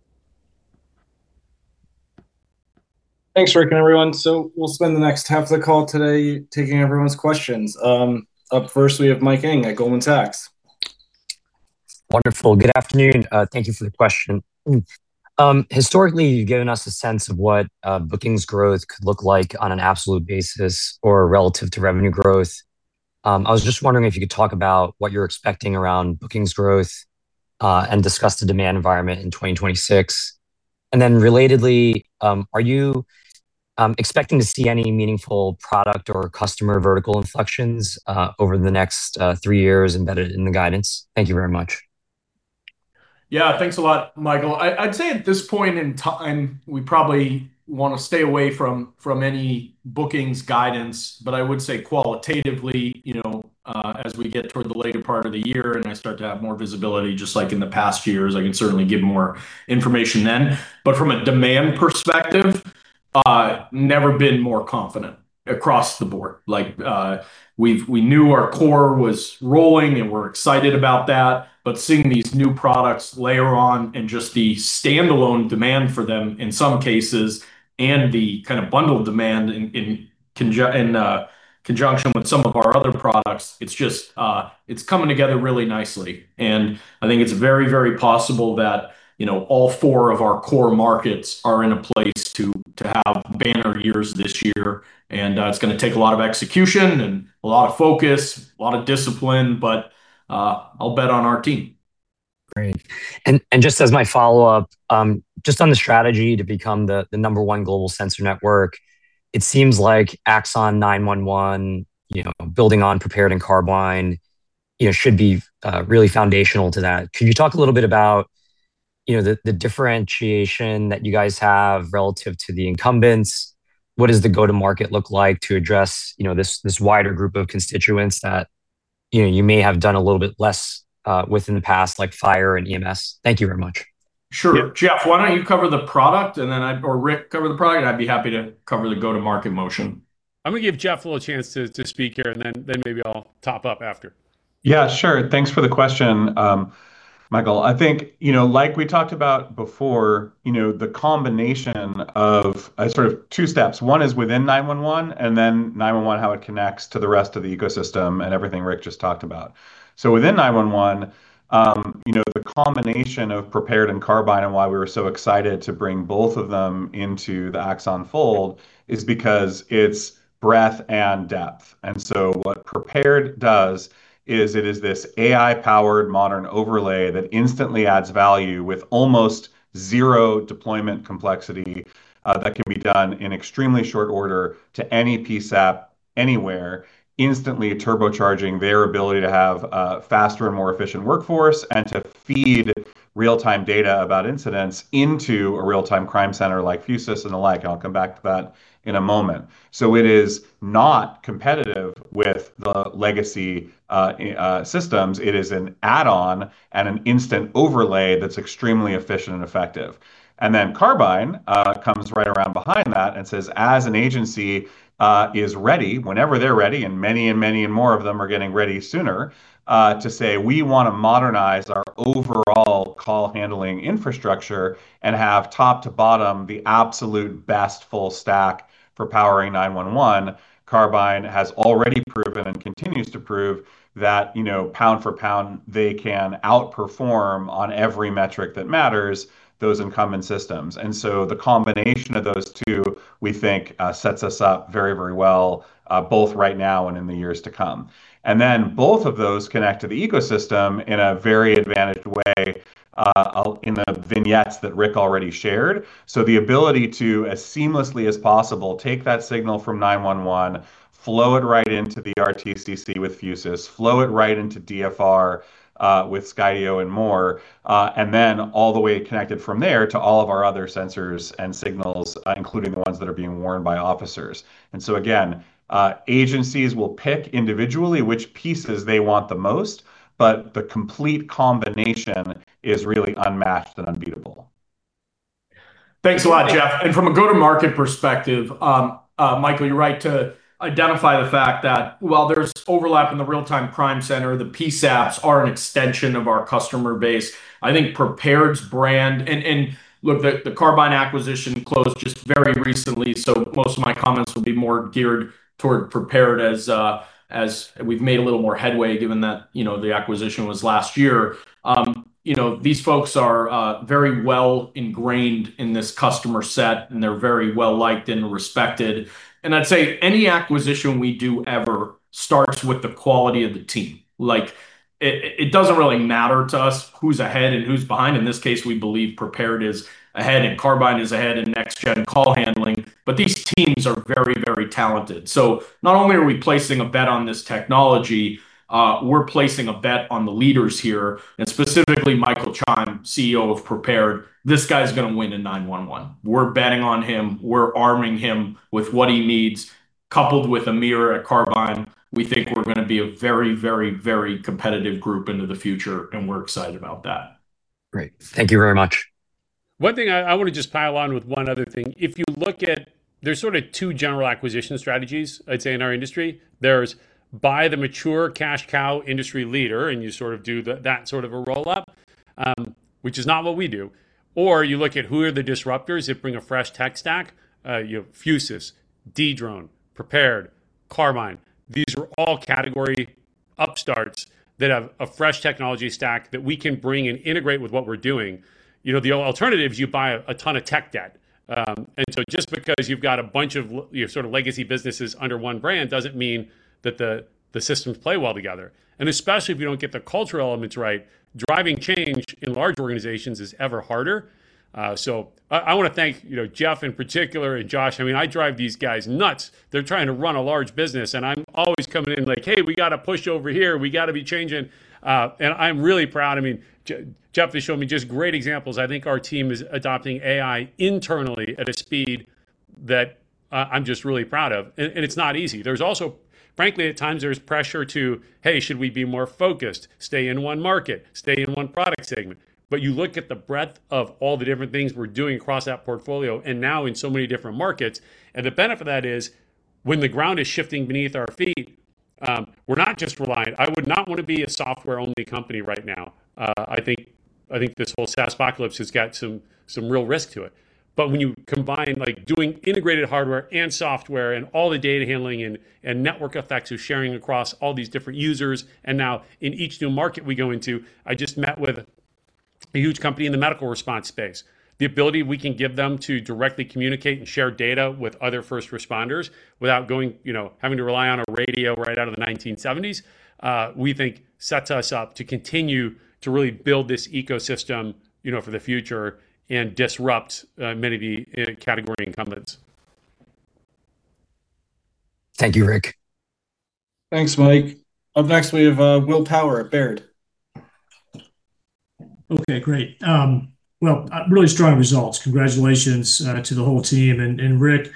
Thanks, Rick, and everyone. We'll spend the next half of the call today taking everyone's questions. Up first, we have Mike Ng at Goldman Sachs. Wonderful. Good afternoon. Thank you for the question. Historically, you've given us a sense of what bookings growth could look like on an absolute basis or relative to revenue growth. I was just wondering if you could talk about what you're expecting around bookings growth and discuss the demand environment in 2026. Relatedly, are you expecting to see any meaningful product or customer vertical inflections over the next three years embedded in the guidance? Thank you very much. Yeah, thanks a lot, Michael. I'd say at this point in time, we probably wanna stay away from any bookings guidance. I would say qualitatively, you know, as we get toward the later part of the year, and I start to have more visibility, just like in the past few years, I can certainly give more information then. From a demand perspective, never been more confident across the board. Like, we knew our core was rolling, and we're excited about that, but seeing these new products layer on and just the standalone demand for them in some cases, and the kind of bundled demand in conjunction with some of our other products, it's just, it's coming together really nicely. I think it's very, very possible that, you know, all four of our core markets are in a place to have banner years this year. It's gonna take a lot of execution and a lot of focus, a lot of discipline, but, I'll bet on our team. Great. Just as my follow-up, just on the strategy to become the number one global sensor network, it seems like Axon 911, you know, building on Prepared and Carbyne, you know, should be really foundational to that. Could you talk a little bit about, you know, the differentiation that you guys have relative to the incumbents? What does the go-to market look like to address, you know, this wider group of constituents that, you know, you may have done a little bit less with in the past, like fire and EMS? Thank you very much. Sure. Jeff, why don't you cover the product, or Rick, cover the product, and I'd be happy to cover the go-to-market motion. I'm gonna give Jeff a little chance to speak here, and then maybe I'll top up after. Sure. Thanks for the question, Michael. I think, you know, like we talked about before, you know, the combination of sort of two steps. One is within 911, and then 911, how it connects to the rest of the ecosystem and everything Rick just talked about. Within 911, you know, the combination of Prepared and Carbyne and why we were so excited to bring both of them into the Axon fold is because it's breadth and depth. What Prepared does is it is this AI-powered modern overlay that instantly adds value with almost zero deployment complexity, that can be done in extremely short order to any PSAP. anywhere, instantly turbocharging their ability to have a faster and more efficient workforce, and to feed real-time data about incidents into a real-time crime center, like Fusus and the like. I'll come back to that in a moment. It is not competitive with the legacy systems. It is an add-on and an instant overlay that's extremely efficient and effective. Carbyne comes right around behind that and says, as an agency is ready, whenever they're ready, and many and more of them are getting ready sooner to say: "We wanna modernize our overall call-handling infrastructure and have top to bottom the absolute best full stack for powering 911." Carbyne has already proven and continues to prove that, you know, pound for pound, they can outperform on every metric that matters, those incumbent systems. The combination of those two, we think, sets us up very, very well, both right now and in the years to come. Both of those connect to the ecosystem in a very advantaged way, in the vignettes that Rick already shared. The ability to, as seamlessly as possible, take that signal from 911, flow it right into the RTCC with Fusus, flow it right into DFR, with Skydio and more, and then all the way connected from there to all of our other sensors and signals, including the ones that are being worn by officers. Again, agencies will pick individually which pieces they want the most, but the complete combination is really unmatched and unbeatable. Thanks a lot, Jeff. From a go-to-market perspective, Michael, you're right to identify the fact that while there's overlap in the Real-Time Crime Center, the PSAPs are an extension of our customer base. I think Prepared's brand. Look, the Carbyne acquisition closed just very recently, so most of my comments will be more geared toward Prepared as we've made a little more headway, given that, you know, the acquisition was last year. You know, these folks are very well-ingrained in this customer set, and they're very well-liked and respected. I'd say any acquisition we do ever starts with the quality of the team. Like, it doesn't really matter to us who's ahead and who's behind. In this case, we believe Prepared is ahead and Carbyne is ahead in next-gen call handling, but these teams are very, very talented. Not only are we placing a bet on this technology, we're placing a bet on the leaders here, and specifically Michael Chime, CEO of Prepared. This guy's gonna win in 911. We're betting on him. We're arming him with what he needs, coupled with Amir at Carbyne, we think we're gonna be a very, very, very competitive group into the future. We're excited about that. Great. Thank you very much. One thing I wanna just pile on with one other thing. If you look at. There's sort of two general acquisition strategies, I'd say, in our industry. There's buy the mature cash cow industry leader, and you sort of do the, that sort of a roll-up, which is not what we do, or you look at who are the disruptors that bring a fresh tech stack. You have Fusus, Dedrone, Prepared, Carbyne. These are all category upstarts that have a fresh technology stack that we can bring and integrate with what we're doing. You know, the alternatives, you buy a ton of tech debt. Just because you've got a bunch of you know, sort of legacy businesses under one brand, doesn't mean that the systems play well together. Especially if you don't get the cultural elements right, driving change in large organizations is ever harder. I wanna thank, you know, Jeff in particular, and Josh. I mean, I drive these guys nuts. They're trying to run a large business, and I'm always coming in like: "Hey, we got to push over here. We got to be changing." I'm really proud. I mean, Jeff has shown me just great examples. I think our team is adopting AI internally at a speed that I'm just really proud of, and it's not easy. There's also... Frankly, at times, there's pressure to, "Hey, should we be more focused, stay in one market, stay in one product segment?" You look at the breadth of all the different things we're doing across that portfolio, and now in so many different markets, and the benefit of that is when the ground is shifting beneath our feet, we're not just reliant. I would not want to be a software-only company right now. I think this whole SaaSpocalypse has got some real risk to it. When you combine, like, doing integrated hardware and software and all the data handling and network effects of sharing across all these different users, and now in each new market we go into, I just met with a huge company in the medical response space. The ability we can give them to directly communicate and share data with other first responders without going, you know, having to rely on a radio right out of the 1970s, we think sets us up to continue to really build this ecosystem, you know, for the future and disrupt many of the category incumbents. Thank you, Rick. Thanks, Mike. Up next, we have, Will Power at Baird. Okay, great. Well, really strong results. Congratulations to the whole team and Rick,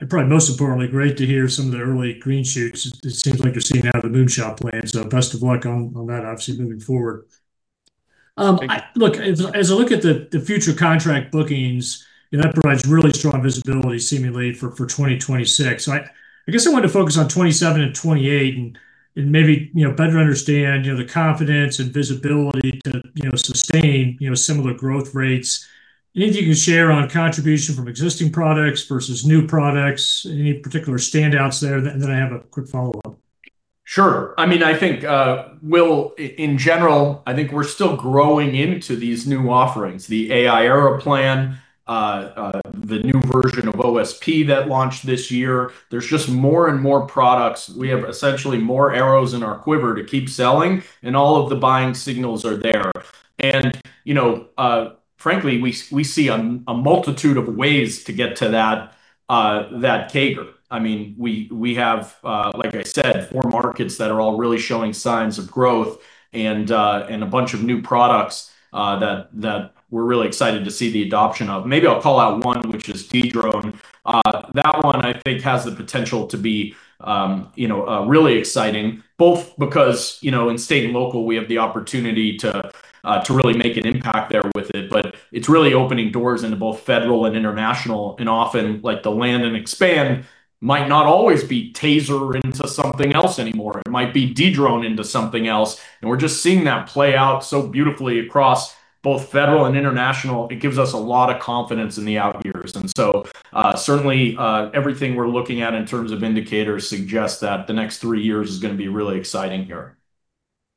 and probably most importantly, great to hear some of the early green shoots. It seems like you're seeing out of the moonshot plan, so best of luck on that, obviously, moving forward. As I look at the future contract bookings, and that provides really strong visibility, seemingly for 2026. I guess I want to focus on 2027 and 2028, and maybe, you know, better understand, you know, the confidence and visibility to, you know, sustain, you know, similar growth rates. Anything you can share on contribution from existing products versus new products, any particular standouts there? I have a quick follow-up. Sure. I mean, I think, Will, in general, I think we're still growing into these new offerings. The AI Era Plan, the new version of OSP that launched this year, there's just more and more products. We have essentially more arrows in our quiver to keep selling, and all of the buying signals are there. And, you know, frankly, we see a multitude of ways to get to that CAGR. I mean, we have, like I said, four markets that are all really showing signs of growth and a bunch of new products that we're really excited to see the adoption of. Maybe I'll call out one, which is Dedrone. That one I think has the potential to be, you know, really exciting, both because, you know, in state and local, we have the opportunity to really make an impact there with it, but it's really opening doors into both federal and international. Often, like, the land and expand might not always be TASER into something else anymore. It might be Dedrone into something else, and we're just seeing that play out so beautifully across both federal and international. It gives us a lot of confidence in the out years. Certainly, everything we're looking at in terms of indicators suggest that the next three years is gonna be really exciting here.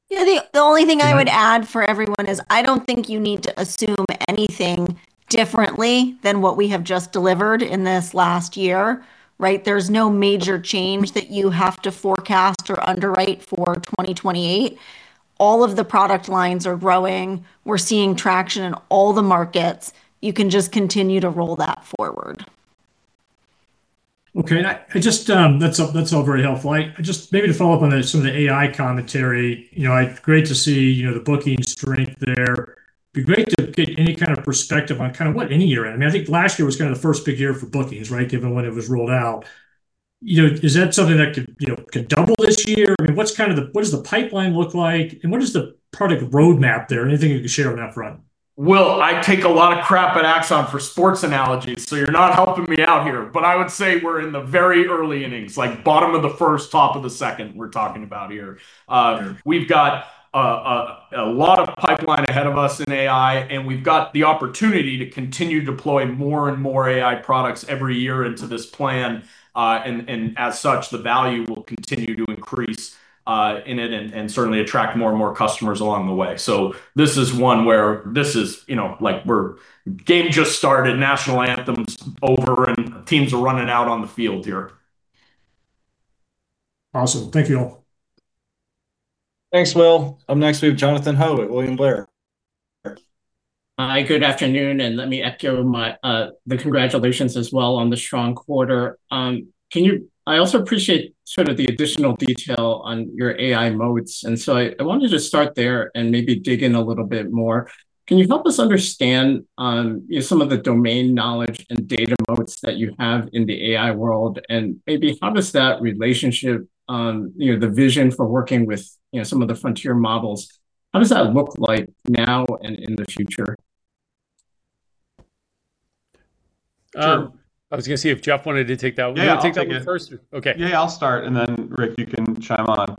Yeah, the only thing I would add for everyone is I don't think you need to assume anything differently than what we have just delivered in this last year, right? There's no major change that you have to forecast or underwrite for 2028. All of the product lines are growing. We're seeing traction in all the markets. You can just continue to roll that forward. Okay. I just, that's all, that's all very helpful. Just maybe to follow up on some of the AI commentary, you know, great to see, you know, the booking strength there. It'd be great to get any kind of perspective on kind of what any year. I mean, I think last year was kind of the first big year for bookings, right, given when it was rolled out? You know, is that something that could, you know, could double this year? I mean, what does the pipeline look like, and what is the product roadmap there? Anything you can share on that front? I take a lot of crap at Axon for sports analogies, so you're not helping me out here. I would say we're in the very early innings, like, bottom of the first, top of the second, we're talking about here. Sure. we've got a lot of pipeline ahead of us in AI, and we've got the opportunity to continue to deploy more and more AI products every year into this plan. As such, the value will continue to increase in it and certainly attract more and more customers along the way. This is one where this is, you know, like, game just started, national anthem's over, and teams are running out on the field here. Awesome. Thank you all. Thanks, Will. Up next, we have Jonathan Ho at William Blair. Hi, good afternoon. Let me echo my the congratulations as well on the strong quarter. I also appreciate sort of the additional detail on your AI moats, and so I wanted to start there and maybe dig in a little bit more. Can you help us understand, you know, some of the domain knowledge and data moats that you have in the AI world? Maybe how does that relationship, you know, the vision for working with, you know, some of the frontier models, how does that look like now and in the future? I was gonna see if Jeff wanted to take that one. Yeah, I'll take it... You take that one first. Okay. Yeah, I'll start, then, Rick, you can chime on.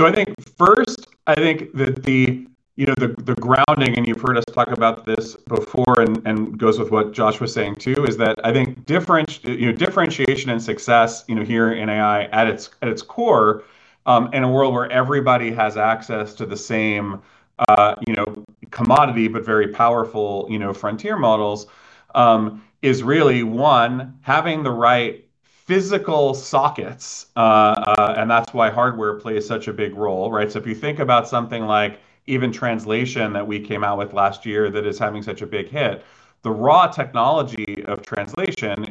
I think first, that the, you know, the grounding, you've heard us talk about this before and goes with what Josh was saying, too, is that I think, you know, differentiation and success, you know, here in AI at its core, in a world where everybody has access to the same, you know, commodity, but very powerful, you know, frontier models, is really, one, having the right physical sockets. And that's why hardware plays such a big role, right? If you think about something like even translation that we came out with last year that is having such a big hit, the raw technology of translation,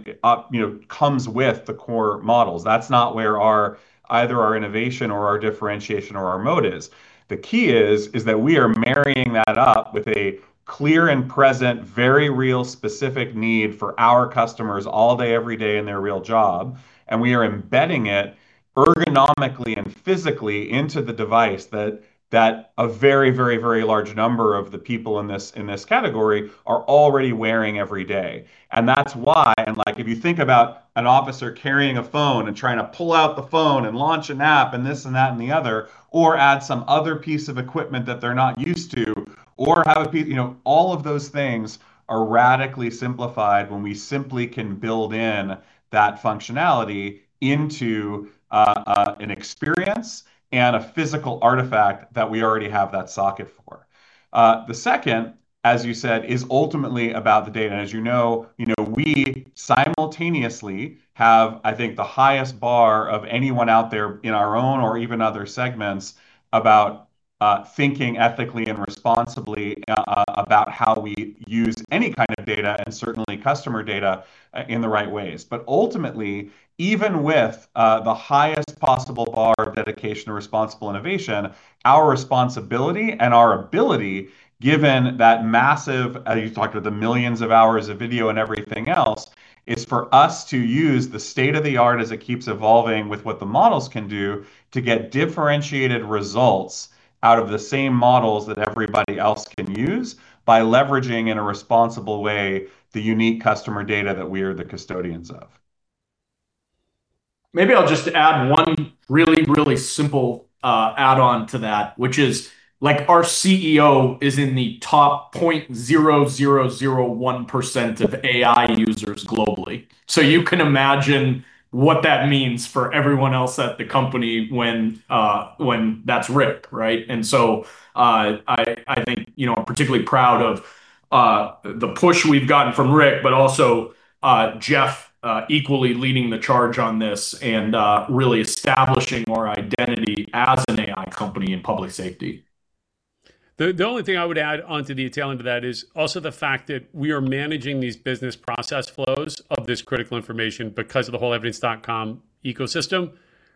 you know, comes with the core models. That's not where our either our innovation or our differentiation or our moat is. The key is that we are marrying that up with a clear and present, very real, specific need for our customers all day, every day in their real job, and we are embedding it ergonomically and physically into the device that a very large number of the people in this, in this category are already wearing every day. That's why... like, if you think about an officer carrying a phone and trying to pull out the phone and launch an app, and this and that and the other, or add some other piece of equipment that they're not used to, or have a piece... You know, all of those things are radically simplified when we simply can build in that functionality into an experience and a physical artifact that we already have that socket for. The second, as you said, is ultimately about the data. As you know, you know, we simultaneously have, I think, the highest bar of anyone out there in our own or even other segments about thinking ethically and responsibly about how we use any kind of data and certainly customer data in the right ways. Ultimately, even with the highest possible bar of dedication to responsible innovation, our responsibility and our ability, given that massive, as you talked about, the millions of hours of video and everything else, is for us to use the state-of-the-art as it keeps evolving with what the models can do to get differentiated results out of the same models that everybody else can use, by leveraging, in a responsible way, the unique customer data that we are the custodians of. Maybe I'll just add one really, really simple, add-on to that, which is, like, our CEO is in the top 0.0001% of AI users globally. You can imagine what that means for everyone else at the company when that's Rick, right. I think, you know, I'm particularly proud of the push we've gotten from Rick, but also Jeff equally leading the charge on this and really establishing our identity as an AI company in public safety. The only thing I would add onto detail into that is also the fact that we are managing these business process flows of this critical information because of the whole Evidence.com ecosystem,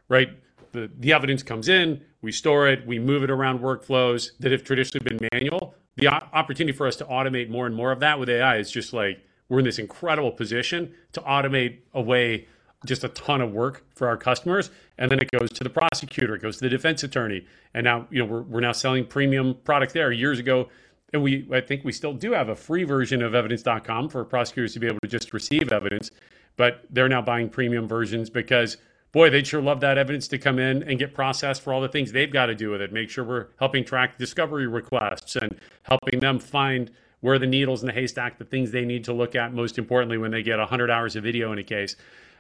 right? The evidence comes in, we store it, we move it around workflows that have traditionally been manual. The opportunity for us to automate more and more of that with AI is just like we're in this incredible position to automate away just a ton of work for our customers, and then it goes to the prosecutor, it goes to the defense attorney. Now, you know, we're now selling premium product there. Years ago, I think we still do have a free version of Evidence.com for prosecutors to be able to just receive evidence, but they're now buying premium versions because, boy, they'd sure love that evidence to come in and get processed for all the things they've got to do with it. Make sure we're helping track discovery requests and helping them find where the needle is in the haystack, the things they need to look at, most importantly, when they get 100 hours of video in a case.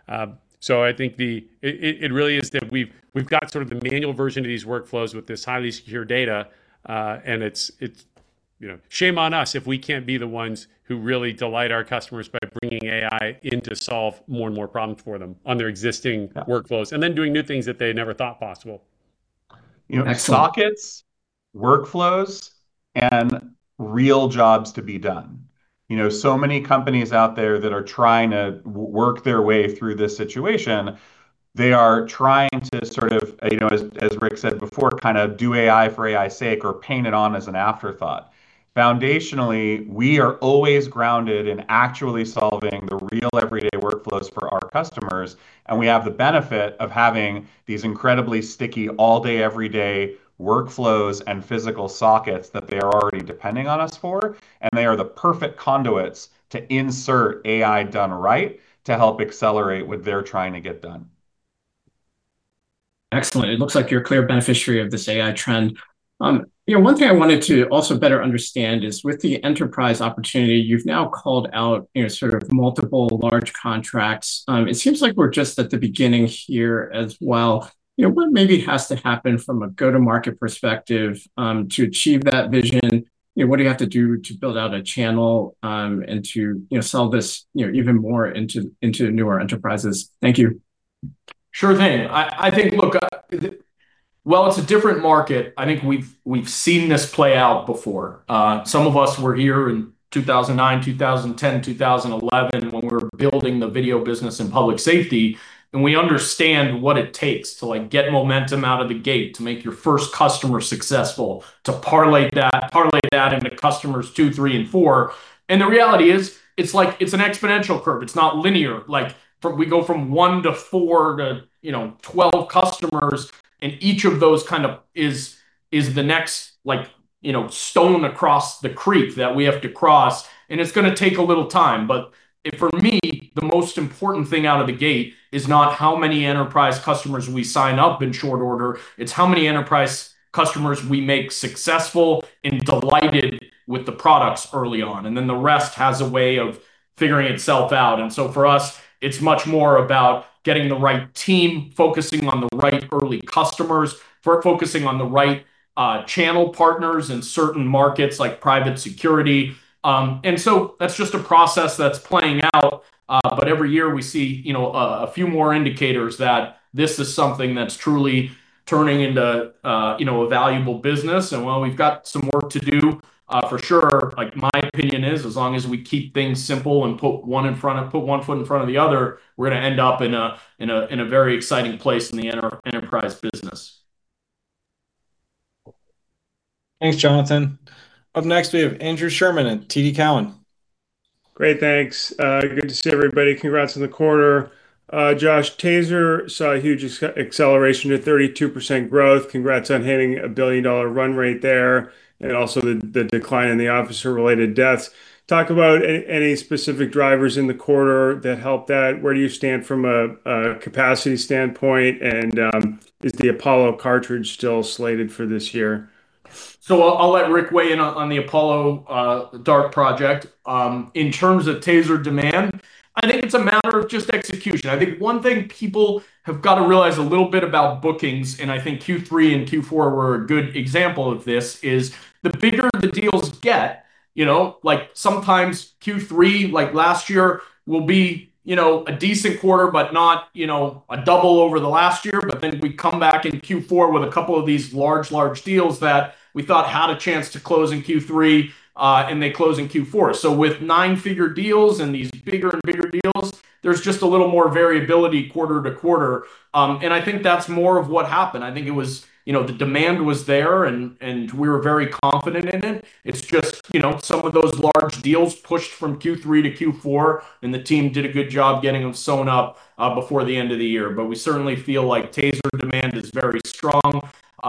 I think the... It really is that we've got sort of the manual version of these workflows with this highly secure data, and it's, you know, shame on us if we can't be the ones who really delight our customers by bringing AI in to solve more and more problems for them on their existing workflows, and then doing new things that they never thought possible. You know, sockets, workflows, and real jobs to be done. You know, so many companies out there that are trying to work their way through this situation, they are trying to sort of, you know, as Rick said before, kind of do AI for AI's sake or paint it on as an afterthought. Foundationally, we are always grounded in actually solving the real everyday workflows for our customers, and we have the benefit of having these incredibly sticky, all-day, everyday workflows and physical sockets that they are already depending on us for, and they are the perfect conduits to insert AI done right to help accelerate what they're trying to get done. Excellent. It looks like you're a clear beneficiary of this AI trend. You know, one thing I wanted to also better understand is with the enterprise opportunity, you've now called out, you know, sort of multiple large contracts. It seems like we're just at the beginning here as well. You know, what maybe has to happen from a go-to-market perspective, to achieve that vision? You know, what do you have to do to build out a channel, and to, you know, sell this, you know, even more into newer enterprises? Thank you. Sure thing. I think, look, well, it's a different market. I think we've seen this play out before. Some of us were here in 2009, 2010, 2011 when we were building the video business in public safety, and we understand what it takes to, like, get momentum out of the gate, to make your first customer successful, to parlay that into customers two, three and four. The reality is, it's like it's an exponential curve. It's not linear. Like, we go from one to four to, you know, 12 customers, and each of those kind of is the next, like, you know, stone across the creek that we have to cross, and it's gonna take a little time. For me, the most important thing out of the gate is not how many enterprise customers we sign up in short order, it's how many enterprise customers we make successful and delighted with the products early on, and then the rest has a way of figuring itself out. For us, it's much more about getting the right team, focusing on the right early customers, for focusing on the right channel partners in certain markets, like private security. That's just a process that's playing out, but every year we see, you know, a few more indicators that this is something that's truly turning into, you know, a valuable business. While we've got some work to do, for sure, like, my opinion is, as long as we keep things simple and put one foot in front of the other, we're gonna end up in a very exciting place in the enterprise business. Thanks, Jonathan. Up next, we have Andrew Sherman at TD Cowen. Great, thanks. Good to see everybody. Congrats on the quarter. Josh, TASER saw a huge acceleration to 32% growth. Congrats on hitting a billion-dollar run rate there, and also the decline in the officer-related deaths. Talk about any specific drivers in the quarter that helped that. Where do you stand from a capacity standpoint, and is the Apollo cartridge still slated for this year? I'll let Rick weigh in on the Apollo Dart project. In terms of TASER demand, I think it's a matter of just execution. I think one thing people have got to realize a little bit about bookings, and I think third quarter and fourth quarter were a good example of this, is the bigger the deals get, you know, like sometimes third quarter, like last year, will be, you know, a decent quarter, but not, you know, a double over the last year. We come back into fourth quarter with a couple of these large deals that we thought had a chance to close in third quarter, and they close in fourth quarter. With nine-figure deals and these bigger deals, there's just a little more variability quarter to quarter. I think that's more of what happened. I think it was... you know, the demand was there and we were very confident in it. It's just, you know, some of those large deals pushed from third quarter to fourth quarter, and the team did a good job getting them sewn up before the end of the year. We certainly feel like TASER demand is very strong,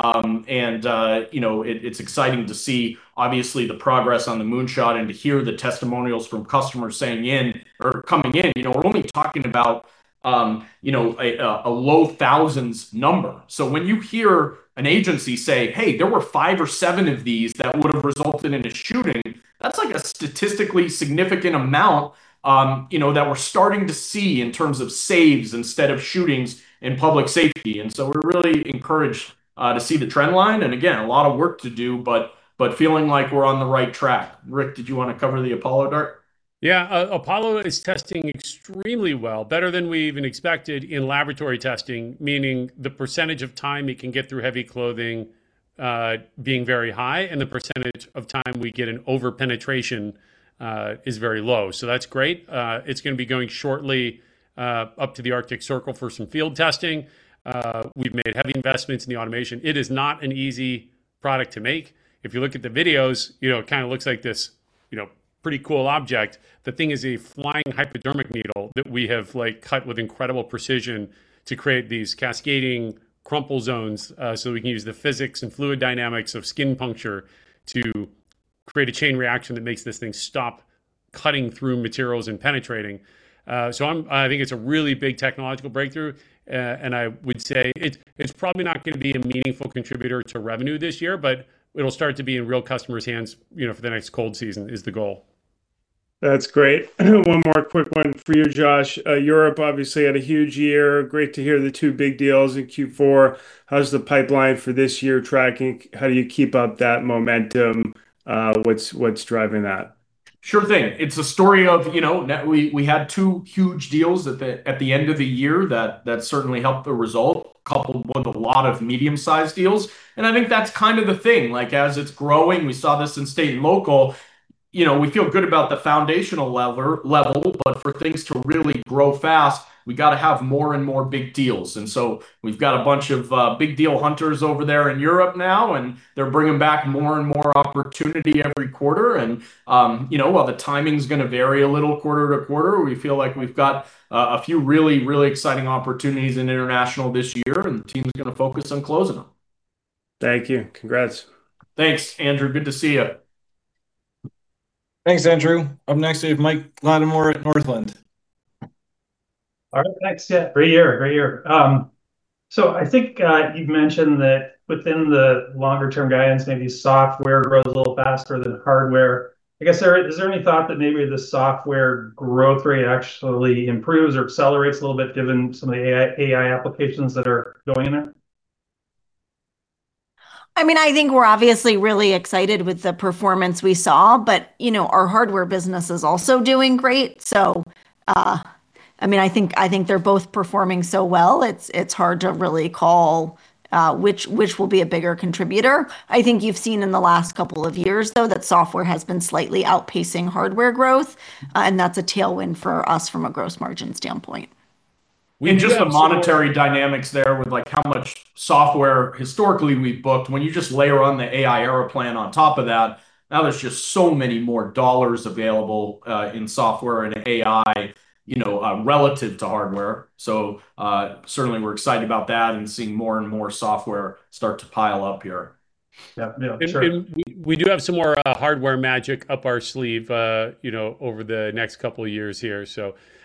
and you know, it's exciting to see, obviously, the progress on the moonshot and to hear the testimonials from customers saying in or coming in. You know, we're only talking about, you know, a low thousands number. When you hear an agency say, "Hey, there were five or seven of these that would have resulted in a shooting," that's like a statistically significant amount, you know, that we're starting to see in terms of saves instead of shootings in public safety. We're really encouraged to see the trend line. A lot of work to do but feeling like we're on the right track. Rick, did you want to cover the Apollo Dart? Yeah, Apollo is testing extremely well, better than we even expected in laboratory testing, meaning the percentage of time it can get through heavy clothing, being very high, and the percentage of time we get an over-penetration, is very low. That's great. It's gonna be going shortly, up to the Arctic Circle for some field testing. We've made heavy investments in the automation. It is not an easy product to make. If you look at the videos, you know, it kinda looks like this, you know, pretty cool object. The thing is a flying hypodermic needle that we have, like, cut with incredible precision to create these cascading crumple zones, so we can use the physics and fluid dynamics of skin puncture to create a chain reaction that makes this thing stop cutting through materials and penetrating. I think it's a really big technological breakthrough, I would say it's probably not gonna be a meaningful contributor to revenue this year, but it'll start to be in real customers' hands, you know, for the next cold season, is the goal. That's great. One more quick one for you, Josh. Europe obviously had a huge year. Great to hear the two big deals in fourth quarter. How's the pipeline for this year tracking? How do you keep up that momentum? What's driving that? Sure thing. It's a story of, you know, now we had two huge deals at the end of the year that certainly helped the result, coupled with a lot of medium-sized deals, and I think that's kind of the thing. Like, as it's growing, we saw this in state and local, you know, we feel good about the foundational level, but for things to really grow fast, we gotta have more and more big deals. We've got a bunch of big deal hunters over there in Europe now, and they're bringing back more and more opportunity every quarter. You know, while the timing's gonna vary a little quarter to quarter, we feel like we've got a few really, really exciting opportunities in international this year, and the team's gonna focus on closing them. Thank you. Congrats. Thanks, Andrew. Good to see you. Thanks, Andrew. Up next, we have Mike Latimore at Northland. All right, thanks. Yeah, great year, great year. I think you've mentioned that within the longer term guidance, maybe software grows a little faster than hardware. I guess, is there any thought that maybe the software growth rate actually improves or accelerates a little bit, given some of the AI applications that are going in it? I mean, I think we're obviously really excited with the performance we saw, you know, our hardware business is also doing great. I mean, I think they're both performing so well, it's hard to really call which will be a bigger contributor. I think you've seen in the last couple of years, though, that software has been slightly outpacing hardware growth, that's a tailwind for us from a gross margin standpoint. In just the monetary dynamics there with, like, how much software historically we've booked, when you just layer on the AI Era Plan on top of that, now there's just so many more dollars available in software and AI, you know, relative to hardware. Certainly, we're excited about that and seeing more and more software start to pile up here. Yeah, yeah, sure. We do have some more hardware magic up our sleeve, you know, over the next couple of years here.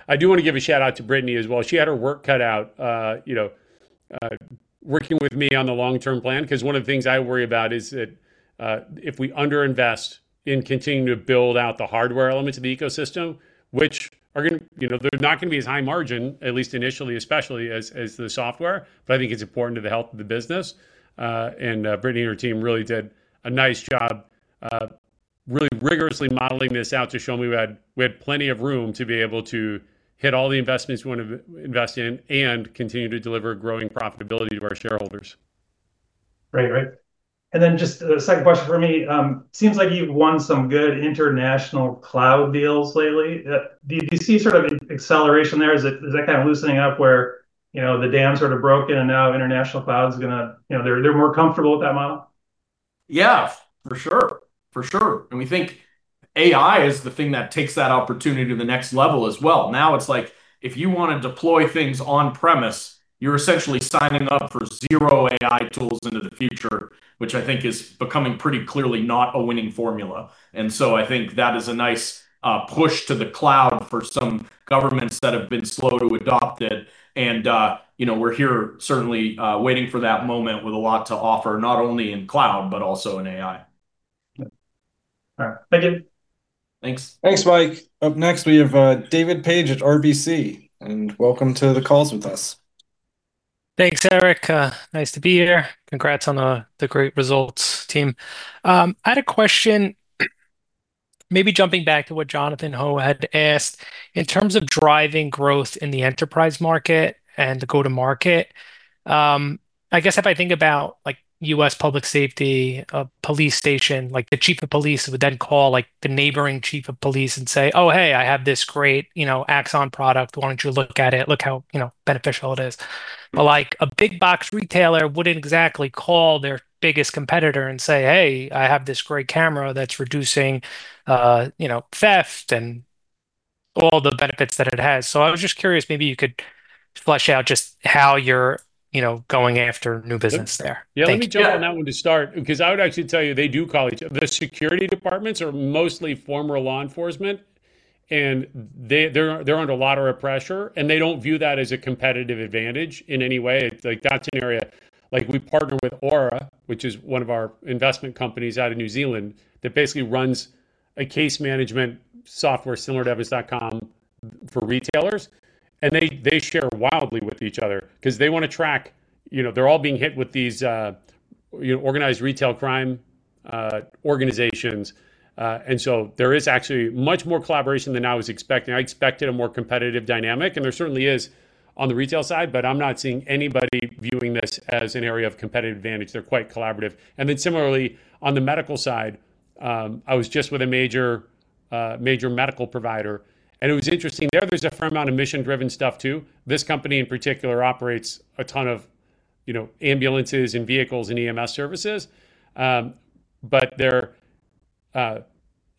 I do wanna give a shout-out to Brittany as well. She had her work cut out, you know, working with me on the long-term plan, 'cause one of the things I worry about is that if we under-invest in continuing to build out the hardware elements of the ecosystem, which are, you know, they're not gonna be as high margin, at least initially, especially as the software, but I think it's important to the health of the business. Brittany and her team really did a nice job of really rigorously modeling this out to show me we had plenty of room to be able to hit all the investments we want to invest in and continue to deliver growing profitability to our shareholders. Right. Right. Just a second question for me, seems like you've won some good international cloud deals lately. Do you see sort of an acceleration there? Is that kind of loosening up where, you know, the dam sort of broken, and now international cloud is gonna... you know, they're more comfortable with that model? Yeah, for sure. For sure. We think AI is the thing that takes that opportunity to the next level as well. Now, it's like, if you wanna deploy things on premise, you're essentially signing up for zero AI tools into the future, which I think is becoming pretty clearly not a winning formula. I think that is a nice push to the cloud for some governments that have been slow to adopt it. You know, we're here certainly waiting for that moment with a lot to offer, not only in cloud but also in AI. Yep. All right, thank you. Thanks. Thanks, Mike. Up next, we have David Paige at RBC, and welcome to the calls with us. Thanks, Eric. nice to be here. Congrats on the great results, team. I had a question, maybe jumping back to what Jonathan Ho had asked. In terms of driving growth in the enterprise market and the go-to-market, I guess if I think about, like, US public safety, a police station, like the chief of police would then call, like, the neighboring chief of police and say, "Oh, hey, I have this great, you know, Axon product. Why don't you look at it? Look how, you know, beneficial it is." Like, a big box retailer wouldn't exactly call their biggest competitor and say, "Hey, I have this great camera that's reducing, you know, theft and all the benefits that it has." I was just curious, maybe you could flesh out just how you're, you know, going after new business there. Yeah... Thank you. Let me jump on that one to start, because I would actually tell you, they do call each other. The security departments are mostly former law enforcement, and they're under a lot of pressure, and they don't view that as a competitive advantage in any way. Like, that's an area, like, we partner with Auror, which is one of our investment companies out of New Zealand, that basically runs a case management software similar to Evidence.com for retailers, and they share wildly with each other 'cause they wanna track... you know, they're all being hit with these, you know, organized retail crime organizations. There is actually much more collaboration than I was expecting. I expected a more competitive dynamic, and there certainly is on the retail side, but I'm not seeing anybody viewing this as an area of competitive advantage. They're quite collaborative. Similarly, on the medical side, I was just with a major medical provider, and it was interesting. There's a fair amount of mission-driven stuff, too. This company, in particular, operates a ton of, you know, ambulances and vehicles and EMS services. Their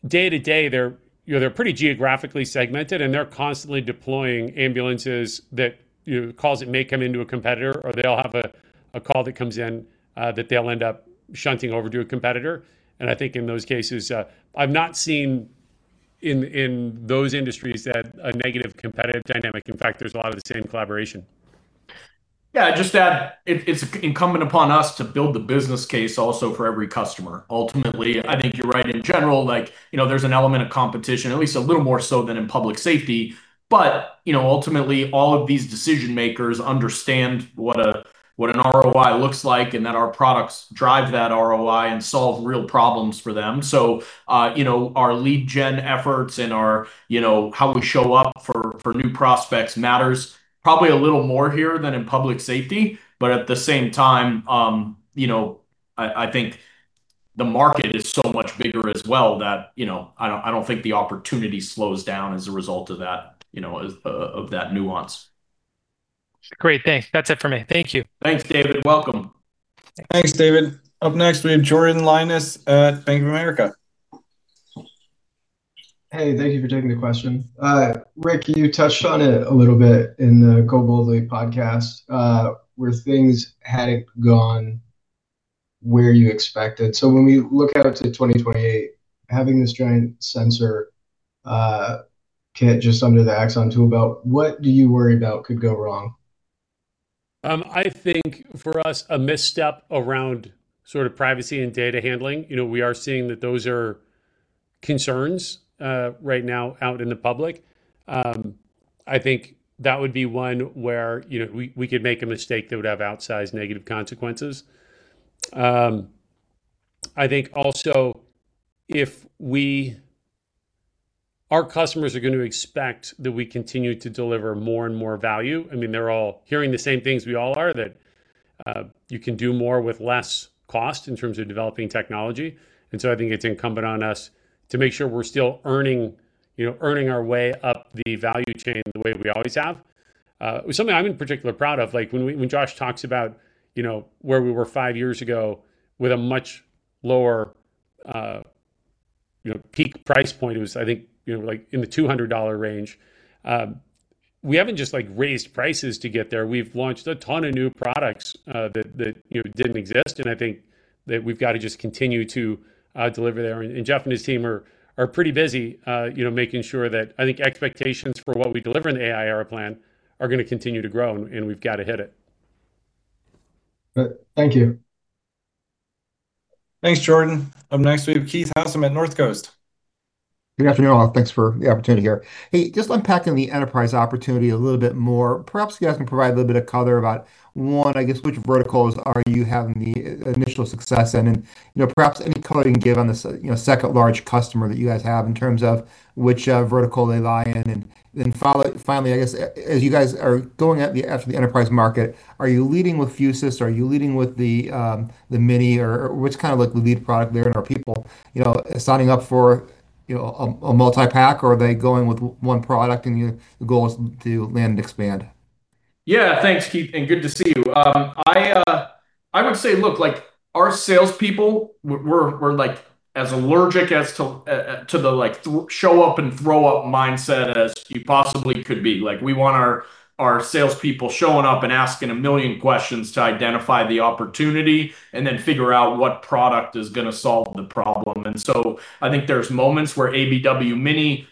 day-to-day, they're, you know, they're pretty geographically segmented, and they're constantly deploying ambulances that, you know, calls that may come into a competitor, or they'll have a call that comes in that they'll end up shunting over to a competitor. I think in those cases, I've not seen in those industries that a negative competitive dynamic. In fact, there's a lot of the same collaboration. Yeah, just to add, it's incumbent upon us to build the business case also for every customer. Ultimately, I think you're right. In general, like, you know, there's an element of competition, at least a little more so than in public safety. You know, ultimately, all of these decision-makers understand what an ROI looks like, and that our products drive that ROI and solve real problems for them. You know, our lead gen efforts and our, you know, how we show up for new prospects matters probably a little more here than in public safety. At the same time, you know, I think the market is so much bigger as well that, you know, I don't, I don't think the opportunity slows down as a result of that, you know, of that nuance. Great, thanks. That's it for me. Thank you. Thanks, David. Welcome. Thanks, David. Up next, we have Jordan Lyonnais at Bank of America. Hey, thank you for taking the question. Rick, you touched on it a little bit in the Boldly Go podcast, where things hadn't gone where you expected. When we look out to 2028, having this giant sensor, kit just under the Axon tool belt, what do you worry about could go wrong? I think for us, a misstep around sort of privacy and data handling. You know, we are seeing that those are concerns right now out in the public. I think that would be one where, you know, we could make a mistake that would have outsized negative consequences. I think also, Our customers are going to expect that we continue to deliver more and more value. I mean, they're all hearing the same things we all are, that you can do more with less cost in terms of developing technology, I think it's incumbent on us to make sure we're still earning, you know, earning our way up the value chain the way we always have. Something I'm particularly proud of, like, when Josh talks about, you know, where we were five years ago with a much lower, you know, peak price point, it was, I think, you know, like, in the $200 range. We haven't just, like, raised prices to get there. We've launched a ton of new products, that, you know, didn't exist, and I think that we've got to just continue to deliver there. Jeff and his team are pretty busy, you know, making sure that, I think, expectations for what we deliver in the AI Era Plan are gonna continue to grow, and we've got to hit it. Thank you. Thanks, Jordan. Up next, we have Keith Housum at Northcoast Research. Good afternoon, all. Thanks for the opportunity here. Hey, just unpacking the enterprise opportunity a little bit more, perhaps you guys can provide a little bit of color about, one, I guess, which verticals are you having the initial success in? You know, perhaps any color you can give on this, you know, second large customer that you guys have in terms of which vertical they lie in. Finally, I guess, as you guys are going after the enterprise market, are you leading with Fusus, are you leading with the Mini, or which kind of, like, lead product there? Are people, you know, signing up for, you know, a multi-pack, or are they going with one product, and the goal is to land and expand? Thanks, Keith, and good to see you. I would say, look, our salespeople, we're as allergic as to the show up and throw-up mindset as you possibly could be. We want our salespeople showing up and asking a million questions to identify the opportunity and then figure out what product is gonna solve the problem. I think there's moments where ABW Mini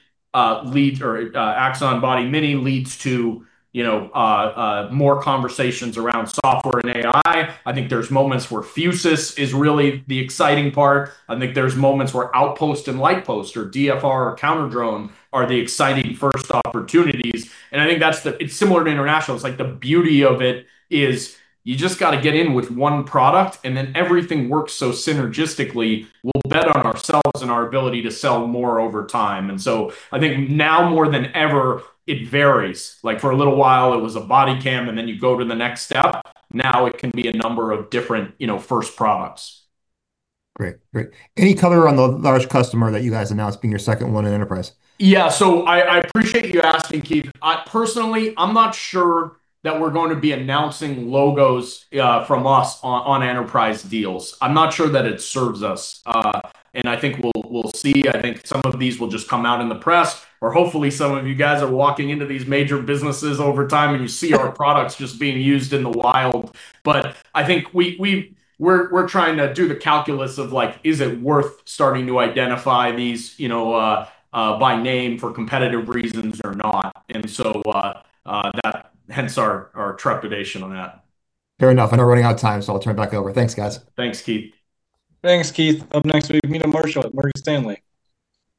leads or Axon Body Mini leads to, you know, more conversations around software and AI. I think there's moments where Fusus is really the exciting part. I think there's moments where Outpost and Lightpost or DFR or Counter-drone are the exciting first opportunities, it's similar to international. It's like the beauty of it is you just gotta get in with one product, and then everything works so synergistically, we'll bet on ourselves and our ability to sell more over time. I think now more than ever, it varies. Like, for a little while, it was a body cam, and then you go to the next step. Now, it can be a number of different, you know, first products. Great. Great. Any color on the large customer that you guys announced being your second one in enterprise? I appreciate you asking, Keith. I, personally, I'm not sure that we're going to be announcing logos from us on enterprise deals. I'm not sure that it serves us. I think we'll see. I think some of these will just come out in the press, or hopefully, some of you guys are walking into these major businesses over time, and you see our products just being used in the wild. I think we're trying to do the calculus of, like, is it worth starting to identify these, you know, by name for competitive reasons or not? Hence our trepidation on that. Fair enough. I know we're running out of time, so I'll turn it back over. Thanks, guys. Thanks, Keith. Thanks, Keith. Up next, we have Meta Marshall at Morgan Stanley.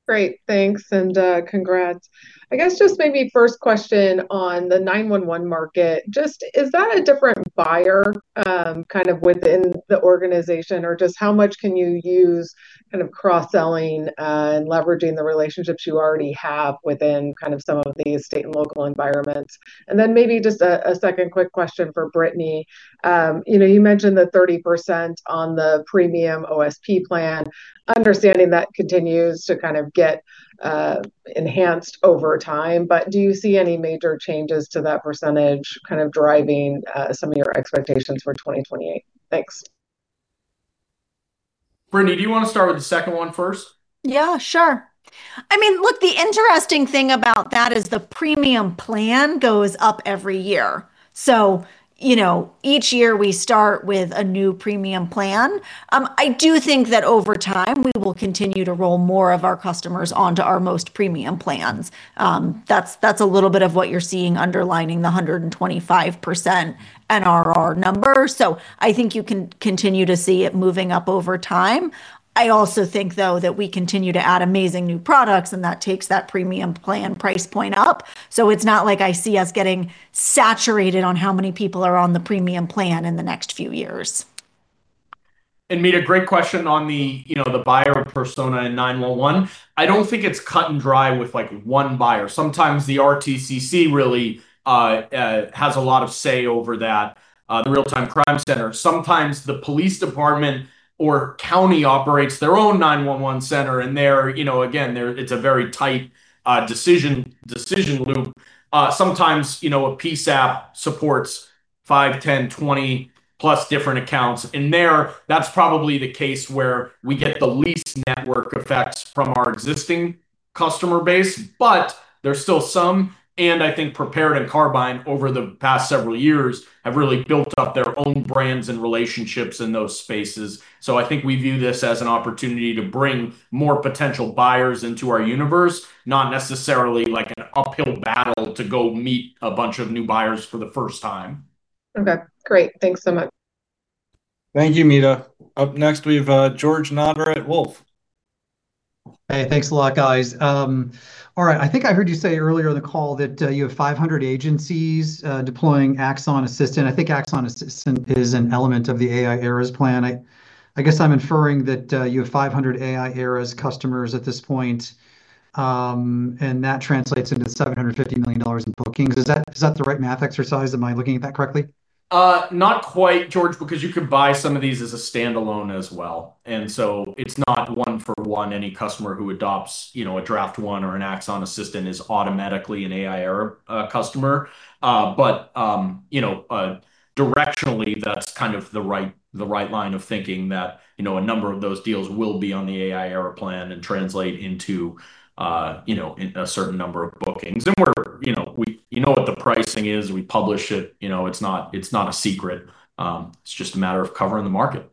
Great, thanks, and congrats. I guess just maybe first question on the 911 market. Just, is that a different buyer, kind of within the organization? Or just how much can you use kind of cross-selling, and leveraging the relationships you already have within kind of some of these state and local environments? Then maybe just a second quick question for Brittany. You know, you mentioned the 30% on the premium OSP Plan. Understanding that continues to kind of get enhanced over time, but do you see any major changes to that percentage kind of driving some of your expectations for 2028? Thanks. Brittany, do you wanna start with the second one first? Yeah, sure. I mean, look, the interesting thing about that is the premium plan goes up every year. You know, each year we start with a new premium plan. I do think that over time, we will continue to roll more of our customers onto our most premium plans. That's a little bit of what you're seeing underlining the 125% NRR number. I think you can continue to see it moving up over time. I also think, though, that we continue to add amazing new products, and that takes that premium plan price point up. It's not like I see us getting saturated on how many people are on the premium plan in the next few years. Meta, great question on the, you know, the buyer persona in 911. I don't think it's cut and dry with, like, one buyer. Sometimes the RTCC really has a lot of say over that, the Real-Time Crime Center. Sometimes the police department or county operates their own 911 center, and, you know, again, it's a very tight decision loop. Sometimes, you know, a PSAP supports five, 10, 20 plus different accounts. That's probably the case where we get the least network effects from our existing customer base, but there's still some, and I think Prepared and Carbyne, over the past several years, have really built up their own brands and relationships in those spaces. I think we view this as an opportunity to bring more potential buyers into our universe, not necessarily like an uphill battle to go meet a bunch of new buyers for the first time. Okay, great. Thanks so much. Thank you, Meta. Up next, we have George Notter at Wolfe. Hey, thanks a lot, guys. All right, I think I heard you say earlier in the call that you have 500 agencies deploying Axon Assistant. I think Axon Assistant is an element of the AI Era Plan. I guess I'm inferring that you have 500 AI Era customers at this point, that translates into $750 million in bookings. Is that the right math exercise? Am I looking at that correctly? Not quite, George, because you could buy some of these as a standalone as well. It's not one for one, any customer who adopts, you know, a Draft One or an Axon Assistant is automatically an AI Era customer. You know, directionally, that's kind of the right, the right line of thinking that, you know, a number of those deals will be on the AI Era Plan and translate into, you know, a certain number of bookings. You know, you know what the pricing is, we publish it, you know, it's not a secret. It's just a matter of covering the market.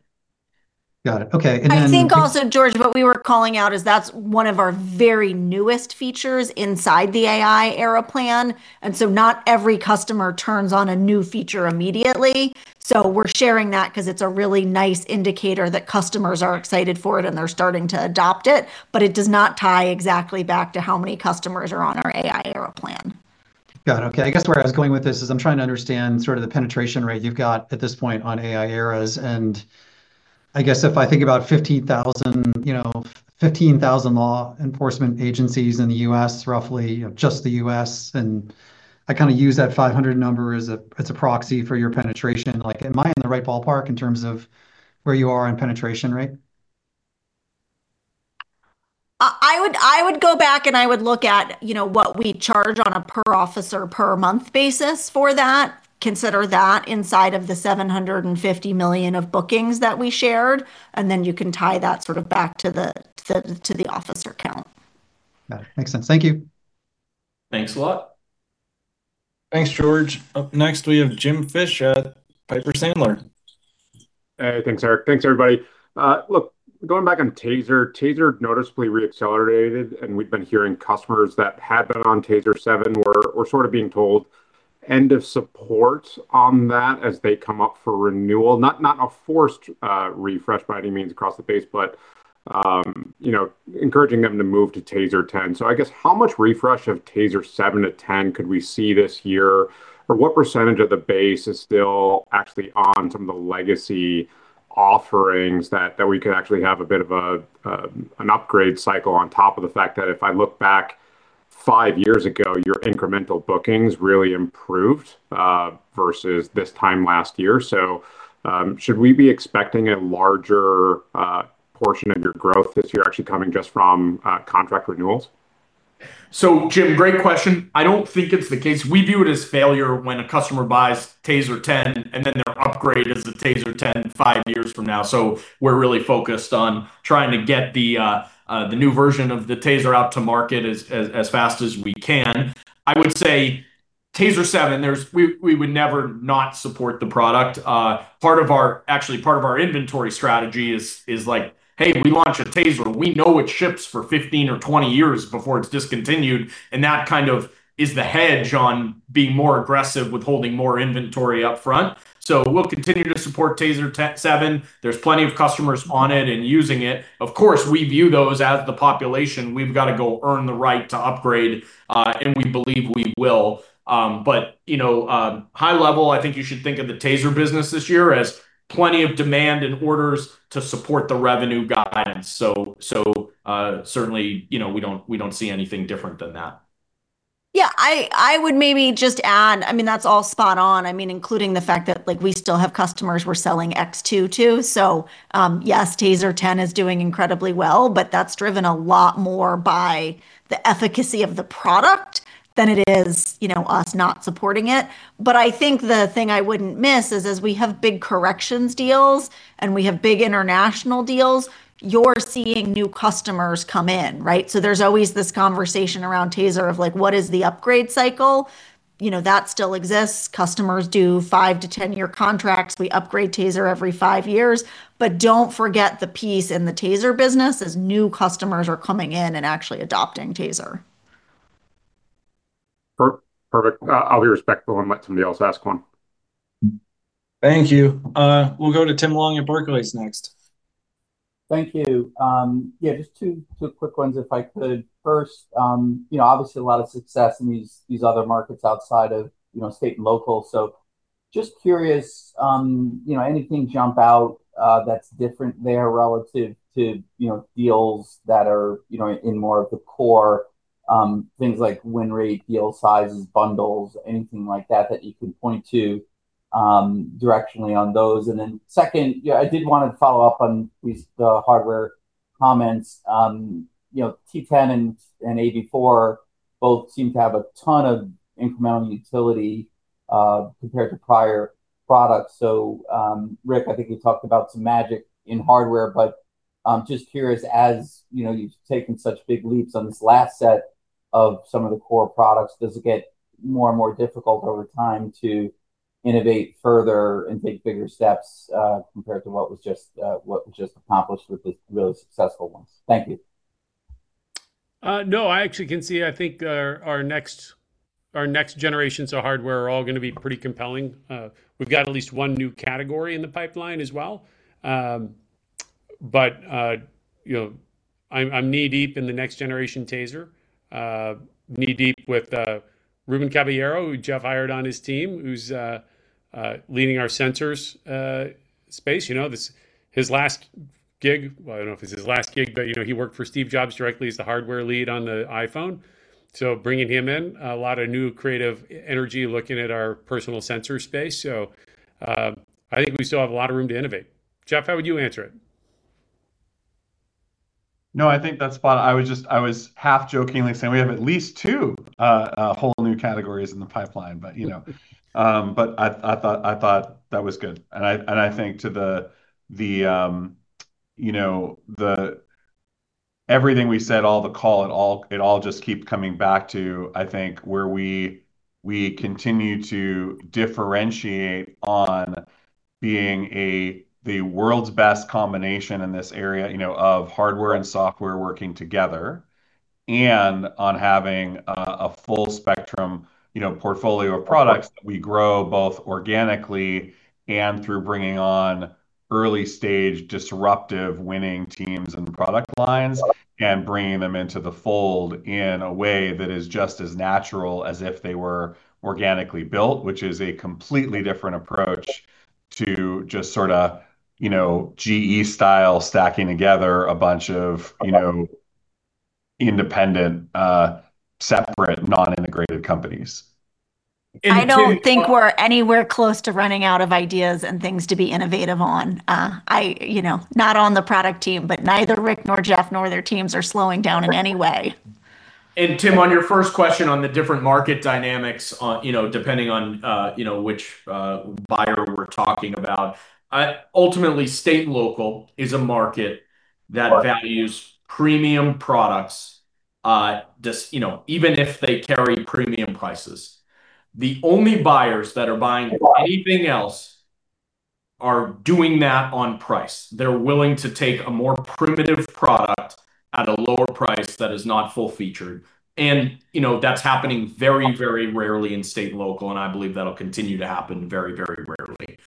Got it. Okay. I think also, George, what we were calling out is that's one of our very newest features inside the AI Era Plan, not every customer turns on a new feature immediately. We're sharing that 'cause it's a really nice indicator that customers are excited for it, they're starting to adopt it, but it does not tie exactly back to how many customers are on our AI Era Plan. Got it, okay. I guess where I was going with this is I'm trying to understand sort of the penetration rate you've got at this point on AI Eras. I guess if I think about 15,000, you know, 15,000 law enforcement agencies in the US, roughly, just the US, and I kinda use that 500 number as a proxy for your penetration. Like, am I in the right ballpark in terms of where you are on penetration rate? I would go back, and I would look at, you know, what we charge on a per officer, per month basis for that. Consider that inside of the $750 million of bookings that we shared, and then you can tie that sort of back to the officer count. Got it. Makes sense. Thank you. Thanks a lot. Thanks, George. Up next, we have James Fish at Piper Sandler. Hey, thanks, Eric. Thanks, everybody. Look, going back on TASER noticeably re-accelerated, and we've been hearing customers that had been on TASER 7 were sort of being told, "End of support on that," as they come up for renewal. Not a forced refresh by any means across the base, but, you know, encouraging them to move to TASER 10. I guess how much refresh of TASER 7 to 10 could we see this year? What percentage of the base is still actually on some of the legacy offerings that we could actually have a bit of an upgrade cycle on top of the fact that if I look back five years ago, your incremental bookings really improved versus this time last year? Should we be expecting a larger portion of your growth this year actually coming just from contract renewals? Jim, great question. I don't think it's the case. We view it as failure when a customer buys TASER 10, and then their upgrade is the TASER 10 five years from now. We're really focused on trying to get the new version of the TASER out to market as fast as we can. I would say. TASER 7, we would never not support the product. actually, part of our inventory strategy is like, "Hey, we launch a TASER. We know it ships for 15 or 20 years before it's discontinued," and that kind of is the hedge on being more aggressive with holding more inventory up front. We'll continue to support TASER 7. There's plenty of customers on it and using it. Of course, we view those as the population. We've got to go earn the right to upgrade. We believe we will. You know, high level, I think you should think of the TASER business this year as plenty of demand and orders to support the revenue guidance. Certainly, you know, we don't see anything different than that. Yeah, I would maybe just add. I mean, that's all spot on. I mean, including the fact that, like, we still have customers we're selling X2 to. Yes, TASER 10 is doing incredibly well, but that's driven a lot more by the efficacy of the product than it is, you know, us not supporting it. I think the thing I wouldn't miss is, as we have big corrections deals and we have big international deals, you're seeing new customers come in, right? There's always this conversation around TASER of like, "What is the upgrade cycle?" You know, that still exists. Customers do five to 10-year contracts. We upgrade TASER every five years. Don't forget the piece in the TASER business is new customers are coming in and actually adopting TASER. Perfect. I'll be respectful and let somebody else ask one. Thank you. We'll go to Tim Long at Barclays next. Thank you. Yeah, just two quick ones, if I could. First, you know, obviously a lot of success in these other markets outside of, you know, state and local. Just curious, you know, anything jump out that's different there relative to, you know, deals that are, you know, in more of the core, things like win rate, deal sizes, bundles, anything like that you can point to directionally on those? Second, yeah, I did want to follow up on these, the hardware comments. You know, T10 and AB4 both seem to have a ton of incremental utility compared to prior products. Rick, I think you talked about some magic in hardware, but I'm just curious, as you know, you've taken such big leaps on this last set of some of the core products, does it get more and more difficult over time to innovate further and take bigger steps, compared to what was just accomplished with the really successful ones? Thank you. No, I actually can see, I think, our next generations of hardware are all gonna be pretty compelling. We've got at least one new category in the pipeline as well. You know, I'm knee-deep in the next generation TASER, knee-deep with Rubén Caballero, who Jeff hired on his team, who's leading our sensors space. You know, his last gig, well, I don't know if it's his last gig, but, you know, he worked for Steve Jobs directly as the hardware lead on the iPhone. Bringing him in, a lot of new creative energy, looking at our personal sensor space. I think we still have a lot of room to innovate. Jeff, how would you answer it? I was half-jokingly saying we have at least two whole new categories in the pipeline, you know. I thought that was good. I think to the, you know, everything we said, all the call, it all just keep coming back to, I think, where we continue to differentiate on being the world's best combination in this area, you know, of hardware and software working together, and on having a full spectrum, you know, portfolio of products that we grow both organically and through bringing on early-stage, disruptive, winning teams and product lines. And bringing them into the fold in a way that is just as natural as if they were organically built, which is a completely different approach to just sort of, you know, GE-style stacking together a bunch of, you know, independent, separate, non-integrated companies... I don't think we're anywhere close to running out of ideas and things to be innovative on. I, you know, not on the product team, but neither Rick nor Jeff, nor their teams are slowing down in any way. Tim, on your first question on the different market dynamics, you know, depending on, you know, which buyer we're talking about, ultimately, state and local is a market that values premium products, just, you know, even if they carry premium prices. The only buyers that are buying anything else are doing that on price. They're willing to take a more primitive product at a lower price that is not full-featured, you know, that's happening very, very rarely in state and local, I believe that'll continue to happen very, very rarely.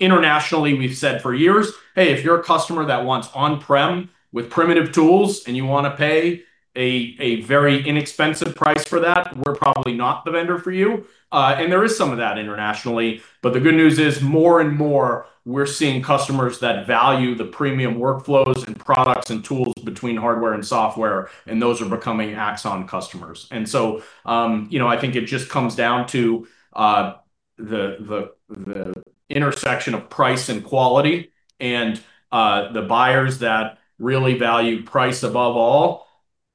Internationally, we've said for years, "Hey, if you're a customer that wants on-prem with primitive tools, and you want to pay a very inexpensive price for that, we're probably not the vendor for you." There is some of that internationally, but the good news is, more and more, we're seeing customers that value the premium workflows and products and tools between hardware and software, and those are becoming Axon customers. You know, I think it just comes down to the intersection of price and quality, and the buyers that really value price above all,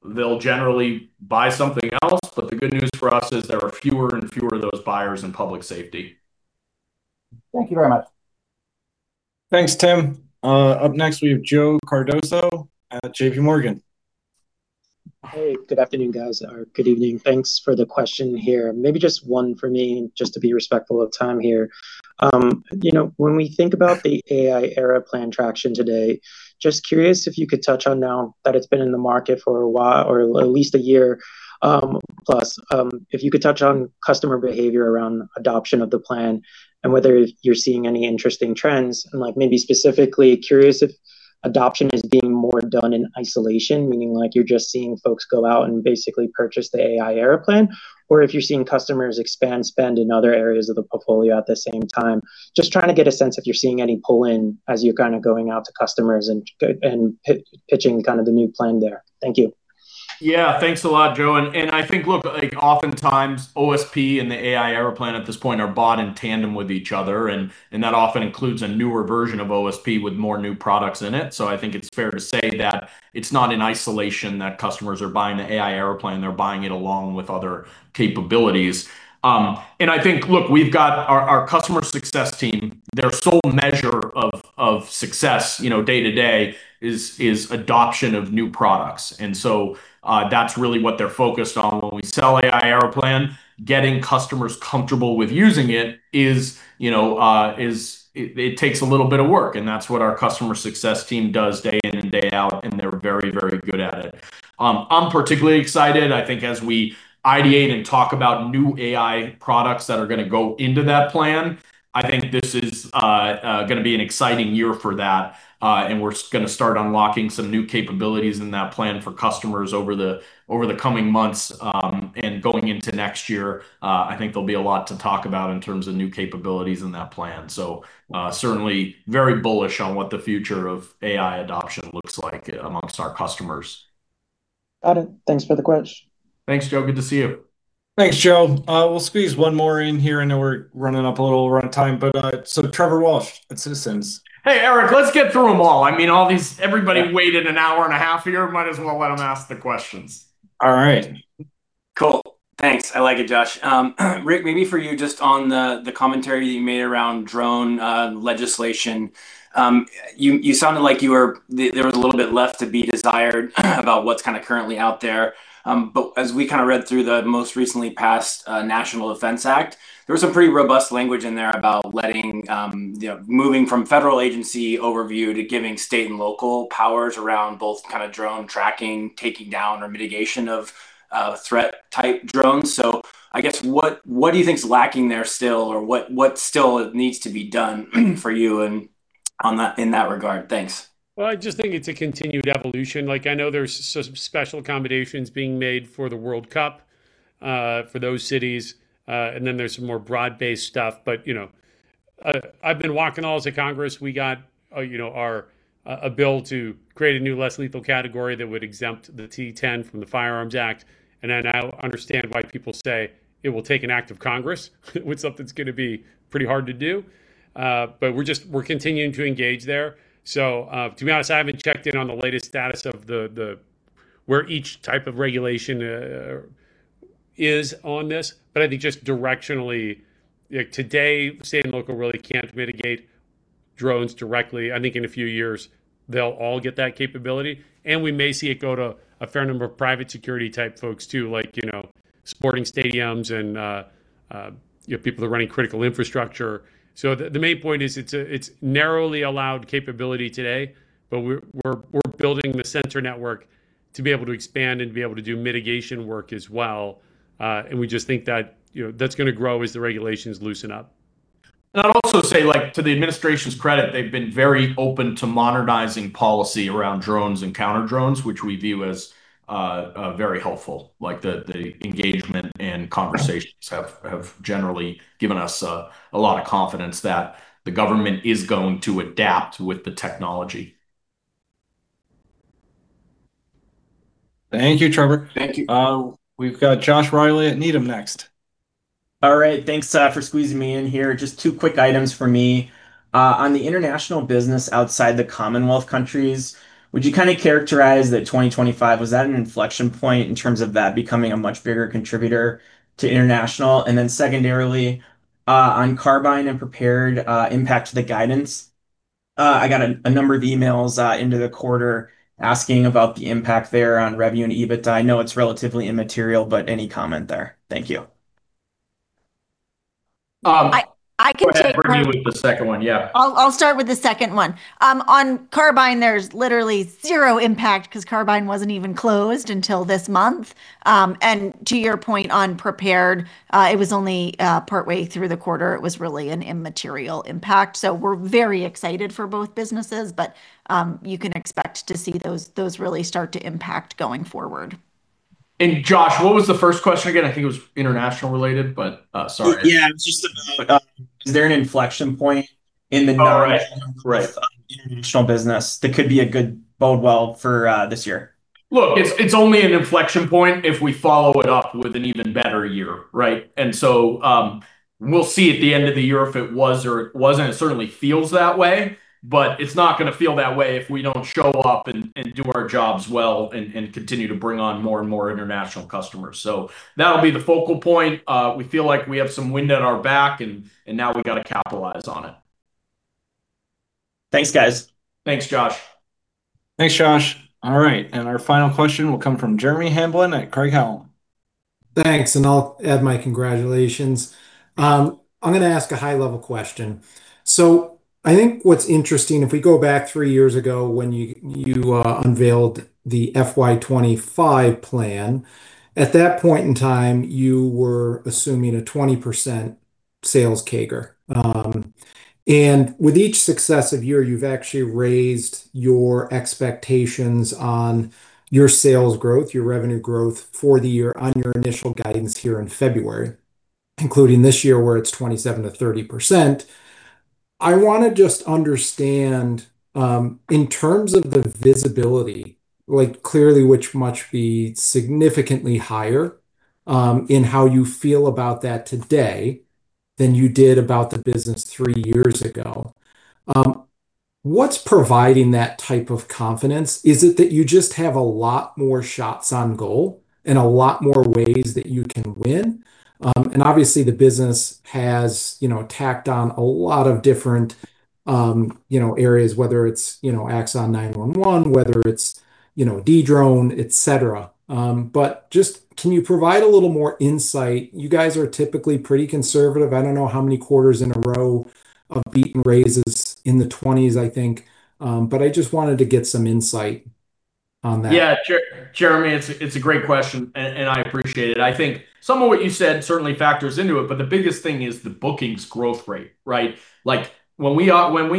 they'll generally buy something else. The good news for us is there are fewer and fewer of those buyers in public safety. Thank you very much. Thanks, Tim. Up next, we have Joe Cardoso at JPMorgan. Hey, good afternoon, guys, or good evening. Thanks for the question here. Maybe just one for me, just to be respectful of time here. You know, when we think about the AI Era Plan traction today, just curious if you could touch on now that it's been in the market for a while or at least a year plus, if you could touch on customer behavior around adoption of the plan and whether you're seeing any interesting trends. Maybe specifically curious if adoption is being more done in isolation, meaning you're just seeing folks go out and basically purchase the AI Era Plan, or if you're seeing customers expand spend in other areas of the portfolio at the same time. Just trying to get a sense if you're seeing any pull-in as you're kind of going out to customers and pitching kind of the new plan there. Thank you. Thanks a lot, Joe, and I think, look, like, oftentimes, OSP and the AI Era Plan at this point are bought in tandem with each other, and that often includes a newer version of OSP with more new products in it. I think it's fair to say that it's not in isolation that customers are buying the AI Era Plan. They're buying it along with other capabilities. I think, look, we've got our customer success team, their sole measure of success, you know, day to day is adoption of new products. That's really what they're focused on. When we sell AI Era Plan, getting customers comfortable with using it is, you know, is... It takes a little bit of work, and that's what our customer success team does day in and day out, and they're very, very good at it. I'm particularly excited, I think, as we ideate and talk about new AI products that are gonna go into that plan. I think this is gonna be an exciting year for that, and we're gonna start unlocking some new capabilities in that plan for customers over the coming months. Going into next year, I think there'll be a lot to talk about in terms of new capabilities in that plan. Certainly very bullish on what the future of AI adoption looks like amongst our customers. Got it. Thanks for the question. Thanks, Joe. Good to see you. Thanks, Joe. We'll squeeze one more in here. I know we're running up a little run of time. Trevor Walsh at Citizens. Hey, Eric, let's get through them all. I mean, all these- everybody... Yeah Waited an hour and a half here. Might as well let them ask the questions. All right. Cool. Thanks. I like it, Josh. Rick, maybe for you, just on the commentary you made around drone legislation, you sounded like there was a little bit left to be desired, about what's kind of currently out there. As we kind of read through the most recently passed National Defense Act, there was some pretty robust language in there about letting, you know, moving from federal agency overview to giving state and local powers around both kind of drone tracking, taking down or mitigation of threat-type drones. I guess what do you think is lacking there still or what still needs to be done for you in that regard? Thanks. Well, I just think it's a continued evolution. Like, I know there's special accommodations being made for the World Cup, for those cities, and then there's some more broad-based stuff. you know, I've been walking all to Congress. We got, you know, our a bill to create a new less lethal category that would exempt the T-ten from the Firearms Act. I understand why people say it will take an act of Congress, with something that's gonna be pretty hard to do. We're continuing to engage there. to be honest, I haven't checked in on the latest status of where each type of regulation is on this, but I think just directionally, like, today, state and local really can't mitigate drones directly. I think in a few years, they'll all get that capability, and we may see it go to a fair number of private security-type folks, too, like, you know, sporting stadiums and, you know, people are running critical infrastructure. The main point is it's narrowly allowed capability today, but we're building the center network to be able to expand and be able to do mitigation work as well. We just think that, you know, that's gonna grow as the regulations loosen up. I'd also say, like, to the administration's credit, they've been very open to modernizing policy around drones and counter-drones, which we view as very helpful. The engagement and conversations have generally given us a lot of confidence that the government is going to adapt with the technology. Thank you, Trevor. Thank you. We've got Josh Reilly at Needham next. All right, thanks for squeezing me in here. Just two quick items for me. On the international business outside the Commonwealth countries, would you kind of characterize that 2025? Was that an inflection point in terms of that becoming a much bigger contributor to international? Secondarily, on Carbyne and Prepared, impact to the guidance, I got a number of emails into the quarter asking about the impact there on revenue and EBITDA. I know it's relatively immaterial, but any comment there? Thank you. Um... I can take one... Go ahead, Brittany, with the second one. Yeah. I'll start with the second one. On Carbyne, there's literally zero impact because Carbyne wasn't even closed until this month. To your point on Prepared, it was only partway through the quarter. It was really an immaterial impact. We're very excited for both businesses, but you can expect to see those really start to impact going forward. Josh, what was the first question again? I think it was international related, but, sorry. Yeah, it was just about, is there an inflection point in... Oh, right. International business that could be a good bode well for this year? Look, it's only an inflection point if we follow it up with an even better year, right? We'll see at the end of the year if it was or it wasn't. It certainly feels that way, but it's not gonna feel that way if we don't show up and do our jobs well and continue to bring on more and more international customers. That'll be the focal point. We feel like we have some wind at our back, and now we've got to capitalize on it. Thanks, guys. Thanks, Josh. Thanks, Josh. All right, our final question will come from Jeremy Hamblin at Craig-Hallum. Thanks, and I'll add my congratulations. I'm gonna ask a high-level question. I think what's interesting, if we go back three years ago when you unveiled the FY 2025 plan, at that point in time, you were assuming a 20% sales CAGR. With each successive year, you've actually raised your expectations on your sales growth, your revenue growth for the year on your initial guidance here in February, including this year, where it's 27% to 30%. I wanna just understand, in terms of the visibility, like, clearly, which must be significantly higher, in how you feel about that today than you did about the business three years ago. What's providing that type of confidence? Is it that you just have a lot more shots on goal and a lot more ways that you can win? Obviously, the business has, you know, tacked on a lot of different, you know, areas, whether it's, you know, Axon 911, whether it's, you know, Dedrone, et cetera. Just can you provide a little more insight? You guys are typically pretty conservative. I don't know how many quarters in a row of beat and raises in the 20s, I think. I just wanted to get some insight on that. Yeah, Jeremy, it's a great question, and I appreciate it. I think some of what you said certainly factors into it, but the biggest thing is the bookings growth rate, right? Like, when we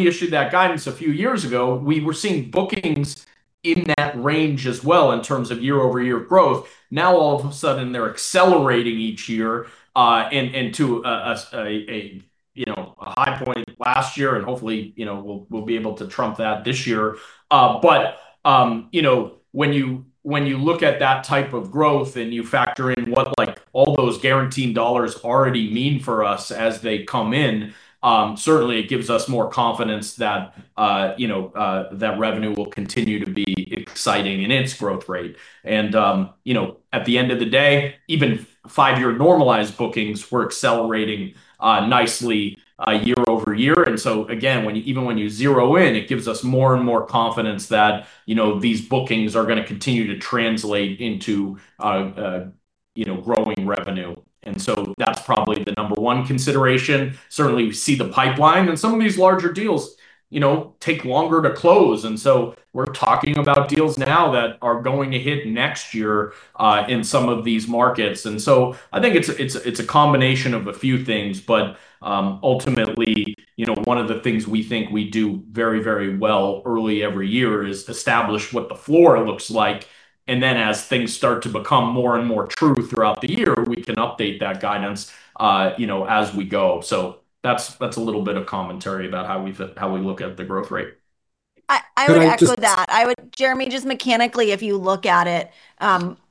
issued that guidance a few years ago, we were seeing bookings in that range as well in terms of year-over-year growth. All of a sudden, they're accelerating each year, and to a, you know, a high point last year, hopefully, you know, we'll be able to trump that this year. You know, when you look at that type of growth and you factor in what, like, all those guaranteed dollars already mean for us as they come in, certainly it gives us more confidence that, you know, that revenue will continue to be exciting in its growth rate. You know, at the end of the day, even five-year normalized bookings were accelerating nicely year-over-year. Again, even when you zero in, it gives us more and more confidence that, you know, these bookings are gonna continue to translate into, you know, growing revenue. That's probably the number one consideration. Certainly, we see the pipeline, and some of these larger deals, you know, take longer to close, and so we're talking about deals now that are going to hit next year, in some of these markets. I think it's, it's a combination of a few things, but, ultimately, you know, one of the things we think we do very, very well early every year is establish what the floor looks like, and then as things start to become more and more true throughout the year, we can update that guidance, you know, as we go. That's, that's a little bit of commentary about how we look at the growth rate. I... And, uh, just... I would echo that. Jeremy, just mechanically, if you look at it,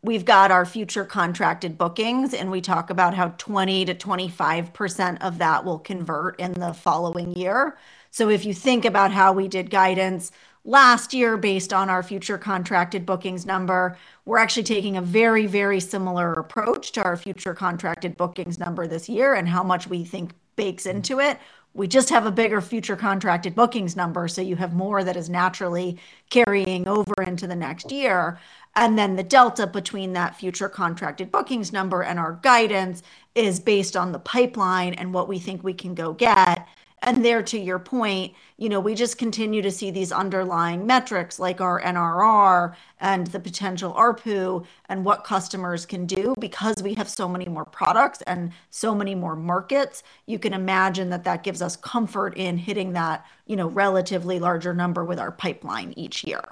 we've got our future contracted bookings, and we talk about how 20% to 25% of that will convert in the following year. If you think about how we did guidance last year based on our future contracted bookings number, we're actually taking a very, very similar approach to our future contracted bookings number this year and how much we think bakes into it. We just have a bigger future contracted bookings number, so you have more that is naturally carrying over into the next year. Then the delta between that future contracted bookings number and our guidance is based on the pipeline and what we think we can go get. There, to your point, you know, we just continue to see these underlying metrics, like our NRR and the potential ARPU and what customers can do, because we have so many more products and so many more markets. You can imagine that that gives us comfort in hitting that, you know, relatively larger number with our pipeline each year.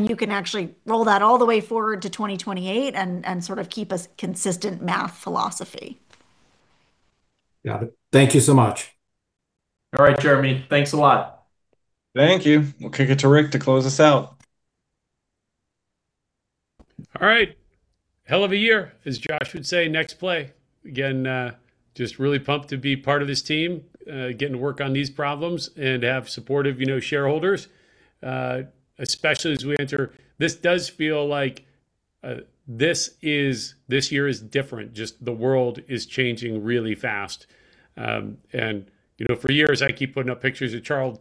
You can actually roll that all the way forward to 2028 and sort of keep a consistent math philosophy. Got it. Thank you so much. All right, Jeremy, thanks a lot. Thank you. We'll kick it to Rick to close us out. All right. Hell of a year, as Josh would say, next play. Again, just really pumped to be part of this team, getting to work on these problems and to have supportive, you know, shareholders, especially. This does feel like this year is different. Just the world is changing really fast. You know, for years, I keep putting up pictures of Charles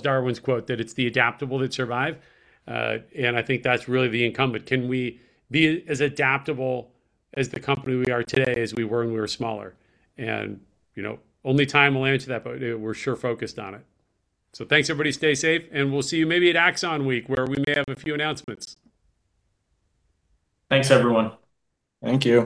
Darwin's quote, that "It's the adaptable that survive." I think that's really the incumbent. Can we be as adaptable as the company we are today as we were when we were smaller? You know, only time will answer that, but we're sure focused on it. Thanks, everybody. Stay safe, and we'll see you maybe at Axon Week, where we may have a few announcements. Thanks, everyone. Thank you.